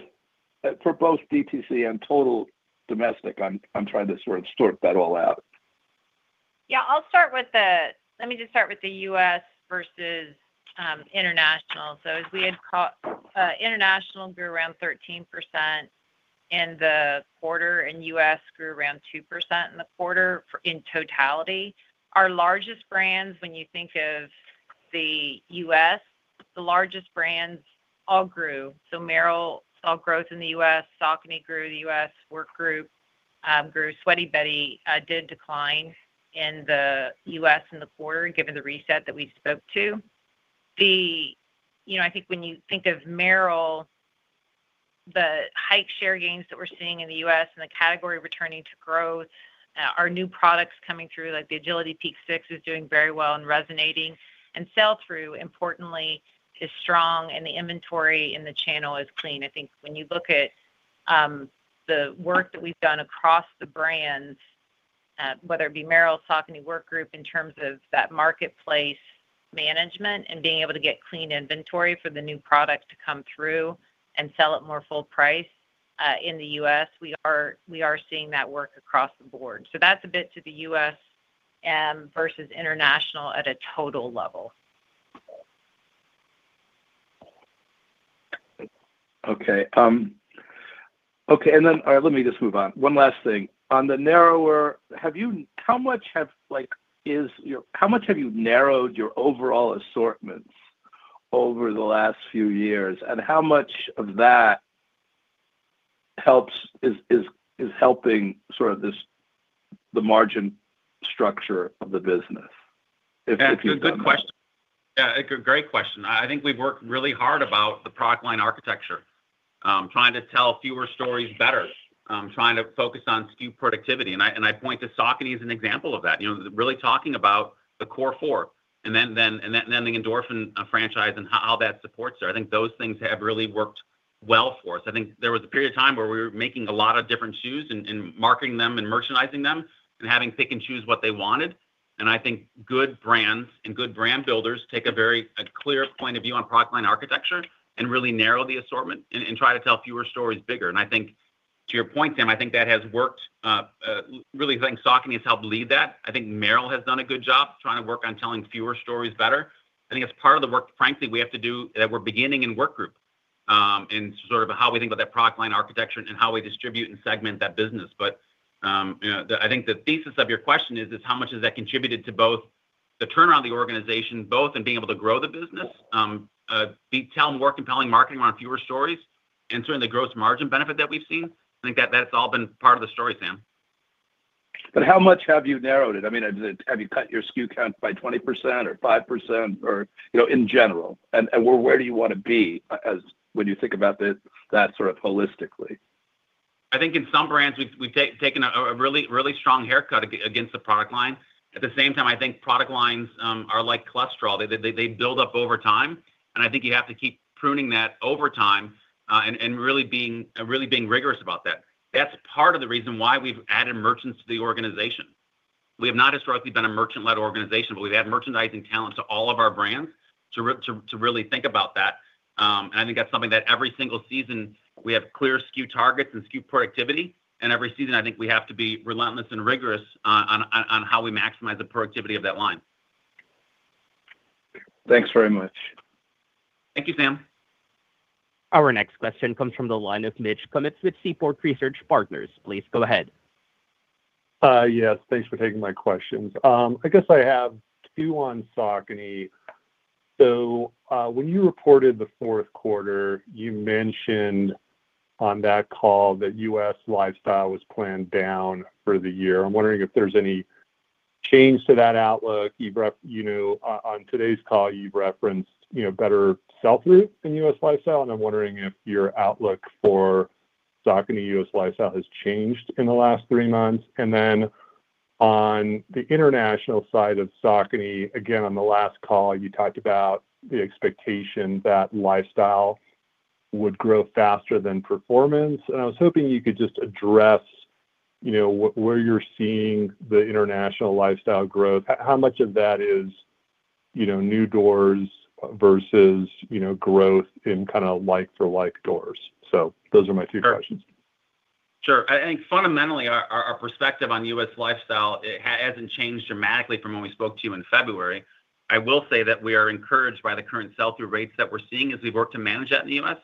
For both DTC and total domestic, I'm trying to sort of sort that all out. Yeah, I'll start with the U.S. versus international. As we had international grew around 13% in the quarter, and U.S. grew around 2% in the quarter for, in totality. Our largest brands, when you think of the U.S., the largest brands all grew. Merrell saw growth in the U.S. Saucony grew the U.S. Work Group grew. Sweaty Betty did decline in the U.S. in the quarter, given the reset that we spoke to. You know, I think when you think of Merrell, the hike share gains that we're seeing in the U.S. and the category returning to growth, our new products coming through, like the Agility Peak 6 is doing very well and resonating. Sell-through, importantly, is strong and the inventory in the channel is clean. I think when you look at the work that we've done across the brands, whether it be Merrell, Saucony, Work Group, in terms of that marketplace management and being able to get clean inventory for the new product to come through and sell at more full price, in the U.S., we are seeing that work across the board. That's a bit to the U.S. versus international at a total level. Okay. Okay. Let me just move on. One last thing. On the narrower, how much have you narrowed your overall assortments over the last few years, and how much of that helps, is helping sort of this, the margin structure of the business, if you don't mind? That's a good question. Yeah, a great question. I think we've worked really hard about the product line architecture, trying to tell fewer stories better, trying to focus on SKU productivity. I point to Saucony as an example of that. You know, really talking about the Core 4 and then the Endorphin franchise and how that supports it. I think those things have really worked well for us. I think there was a period of time where we were making a lot of different shoes and marketing them and merchandising them and having pick and choose what they wanted. I think good brands and good brand builders take a very clear point of view on product line architecture and really narrow the assortment and try to tell fewer stories bigger. I think to your point, Sam, I think that has worked. Really think Saucony has helped lead that. I think Merrell has done a good job trying to work on telling fewer stories better. I think it's part of the work, frankly, we have to do that we're beginning in Work Group, in sort of how we think about that product line architecture and how we distribute and segment that business. You know, the, I think the thesis of your question is how much has that contributed to both the turnaround of the organization, both in being able to grow the business, tell more compelling marketing around fewer stories and certainly the gross margin benefit that we've seen. I think that that's all been part of the story, Sam. How much have you narrowed it? I mean, have you cut your SKU count by 20% or 5% or, you know, in general? Where do you wanna be as when you think about that sort of holistically? I think in some brands we've taken a really strong haircut against the product line. At the same time, I think product lines are like cholesterol. They build up over time, and I think you have to keep pruning that over time and really being rigorous about that. That's part of the reason why we've added merchants to the organization. We have not historically been a merchant-led organization, but we've added merchandising talent to all of our brands to really think about that. I think that's something that every single season we have clear SKU targets and SKU productivity, and every season I think we have to be relentless and rigorous on how we maximize the productivity of that line. Thanks very much. Thank you, Sam. Our next question comes from the line of Mitch Kummetz with Seaport Research Partners. Please go ahead. Yes. Thanks for taking my questions. I guess I have two on Saucony. When you reported the Q4, you mentioned on that call that U.S. lifestyle was planned down for the year. I'm wondering if there's any change to that outlook. You know, on today's call, you referenced, you know, better sell-through in U.S. lifestyle, and I'm wondering if your outlook for Saucony U.S. lifestyle has changed in the last three months. On the international side of Saucony, again, on the last call, you talked about the expectation that lifestyle would grow faster than performance. I was hoping you could just address, you know, where you're seeing the international lifestyle growth. How much of that is, you know, new doors versus, you know, growth in kinda like for like doors? Those are my two questions. Sure. I think fundamentally our perspective on U.S. lifestyle, it hasn't changed dramatically from when we spoke to you in February. I will say that we are encouraged by the current sell-through rates that we're seeing as we work to manage that in the U.S.,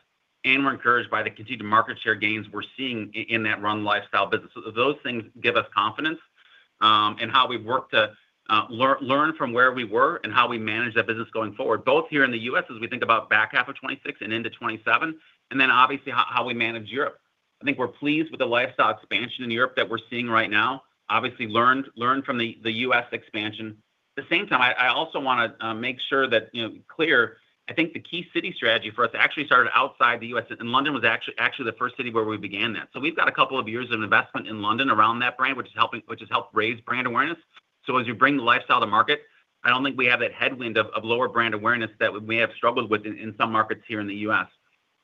and we're encouraged by the continued market share gains we're seeing in that run lifestyle business. Those things give us confidence in how we work to learn from where we were and how we manage that business going forward, both here in the U.S. as we think about back half of 2026 and into 2027, obviously how we manage Europe. I think we're pleased with the lifestyle expansion in Europe that we're seeing right now. Obviously learned from the U.S. expansion. At the same time, I also want to make sure that, you know, I think the key city strategy for us actually started outside the U.S., and London was actually the first city where we began that. We've got a couple of years of investment in London around that brand, which has helped raise brand awareness. As you bring the lifestyle to market, I don't think we have that headwind of lower brand awareness that we have struggled with in some markets here in the U.S.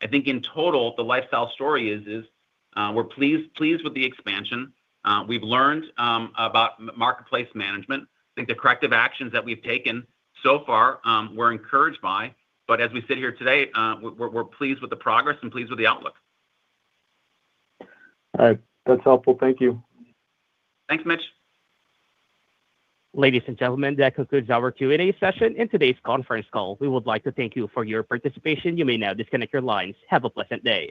I think in total, the lifestyle story is, we're pleased with the expansion. We've learned about marketplace management. I think the corrective actions that we've taken so far, we're encouraged by. As we sit here today, we're pleased with the progress and pleased with the outlook. All right. That is helpful. Thank you. Thanks, Mitch. Ladies and gentlemen, that concludes our Q&A session and today's conference call. We would like to thank you for your participation. You may now disconnect your lines. Have a pleasant day.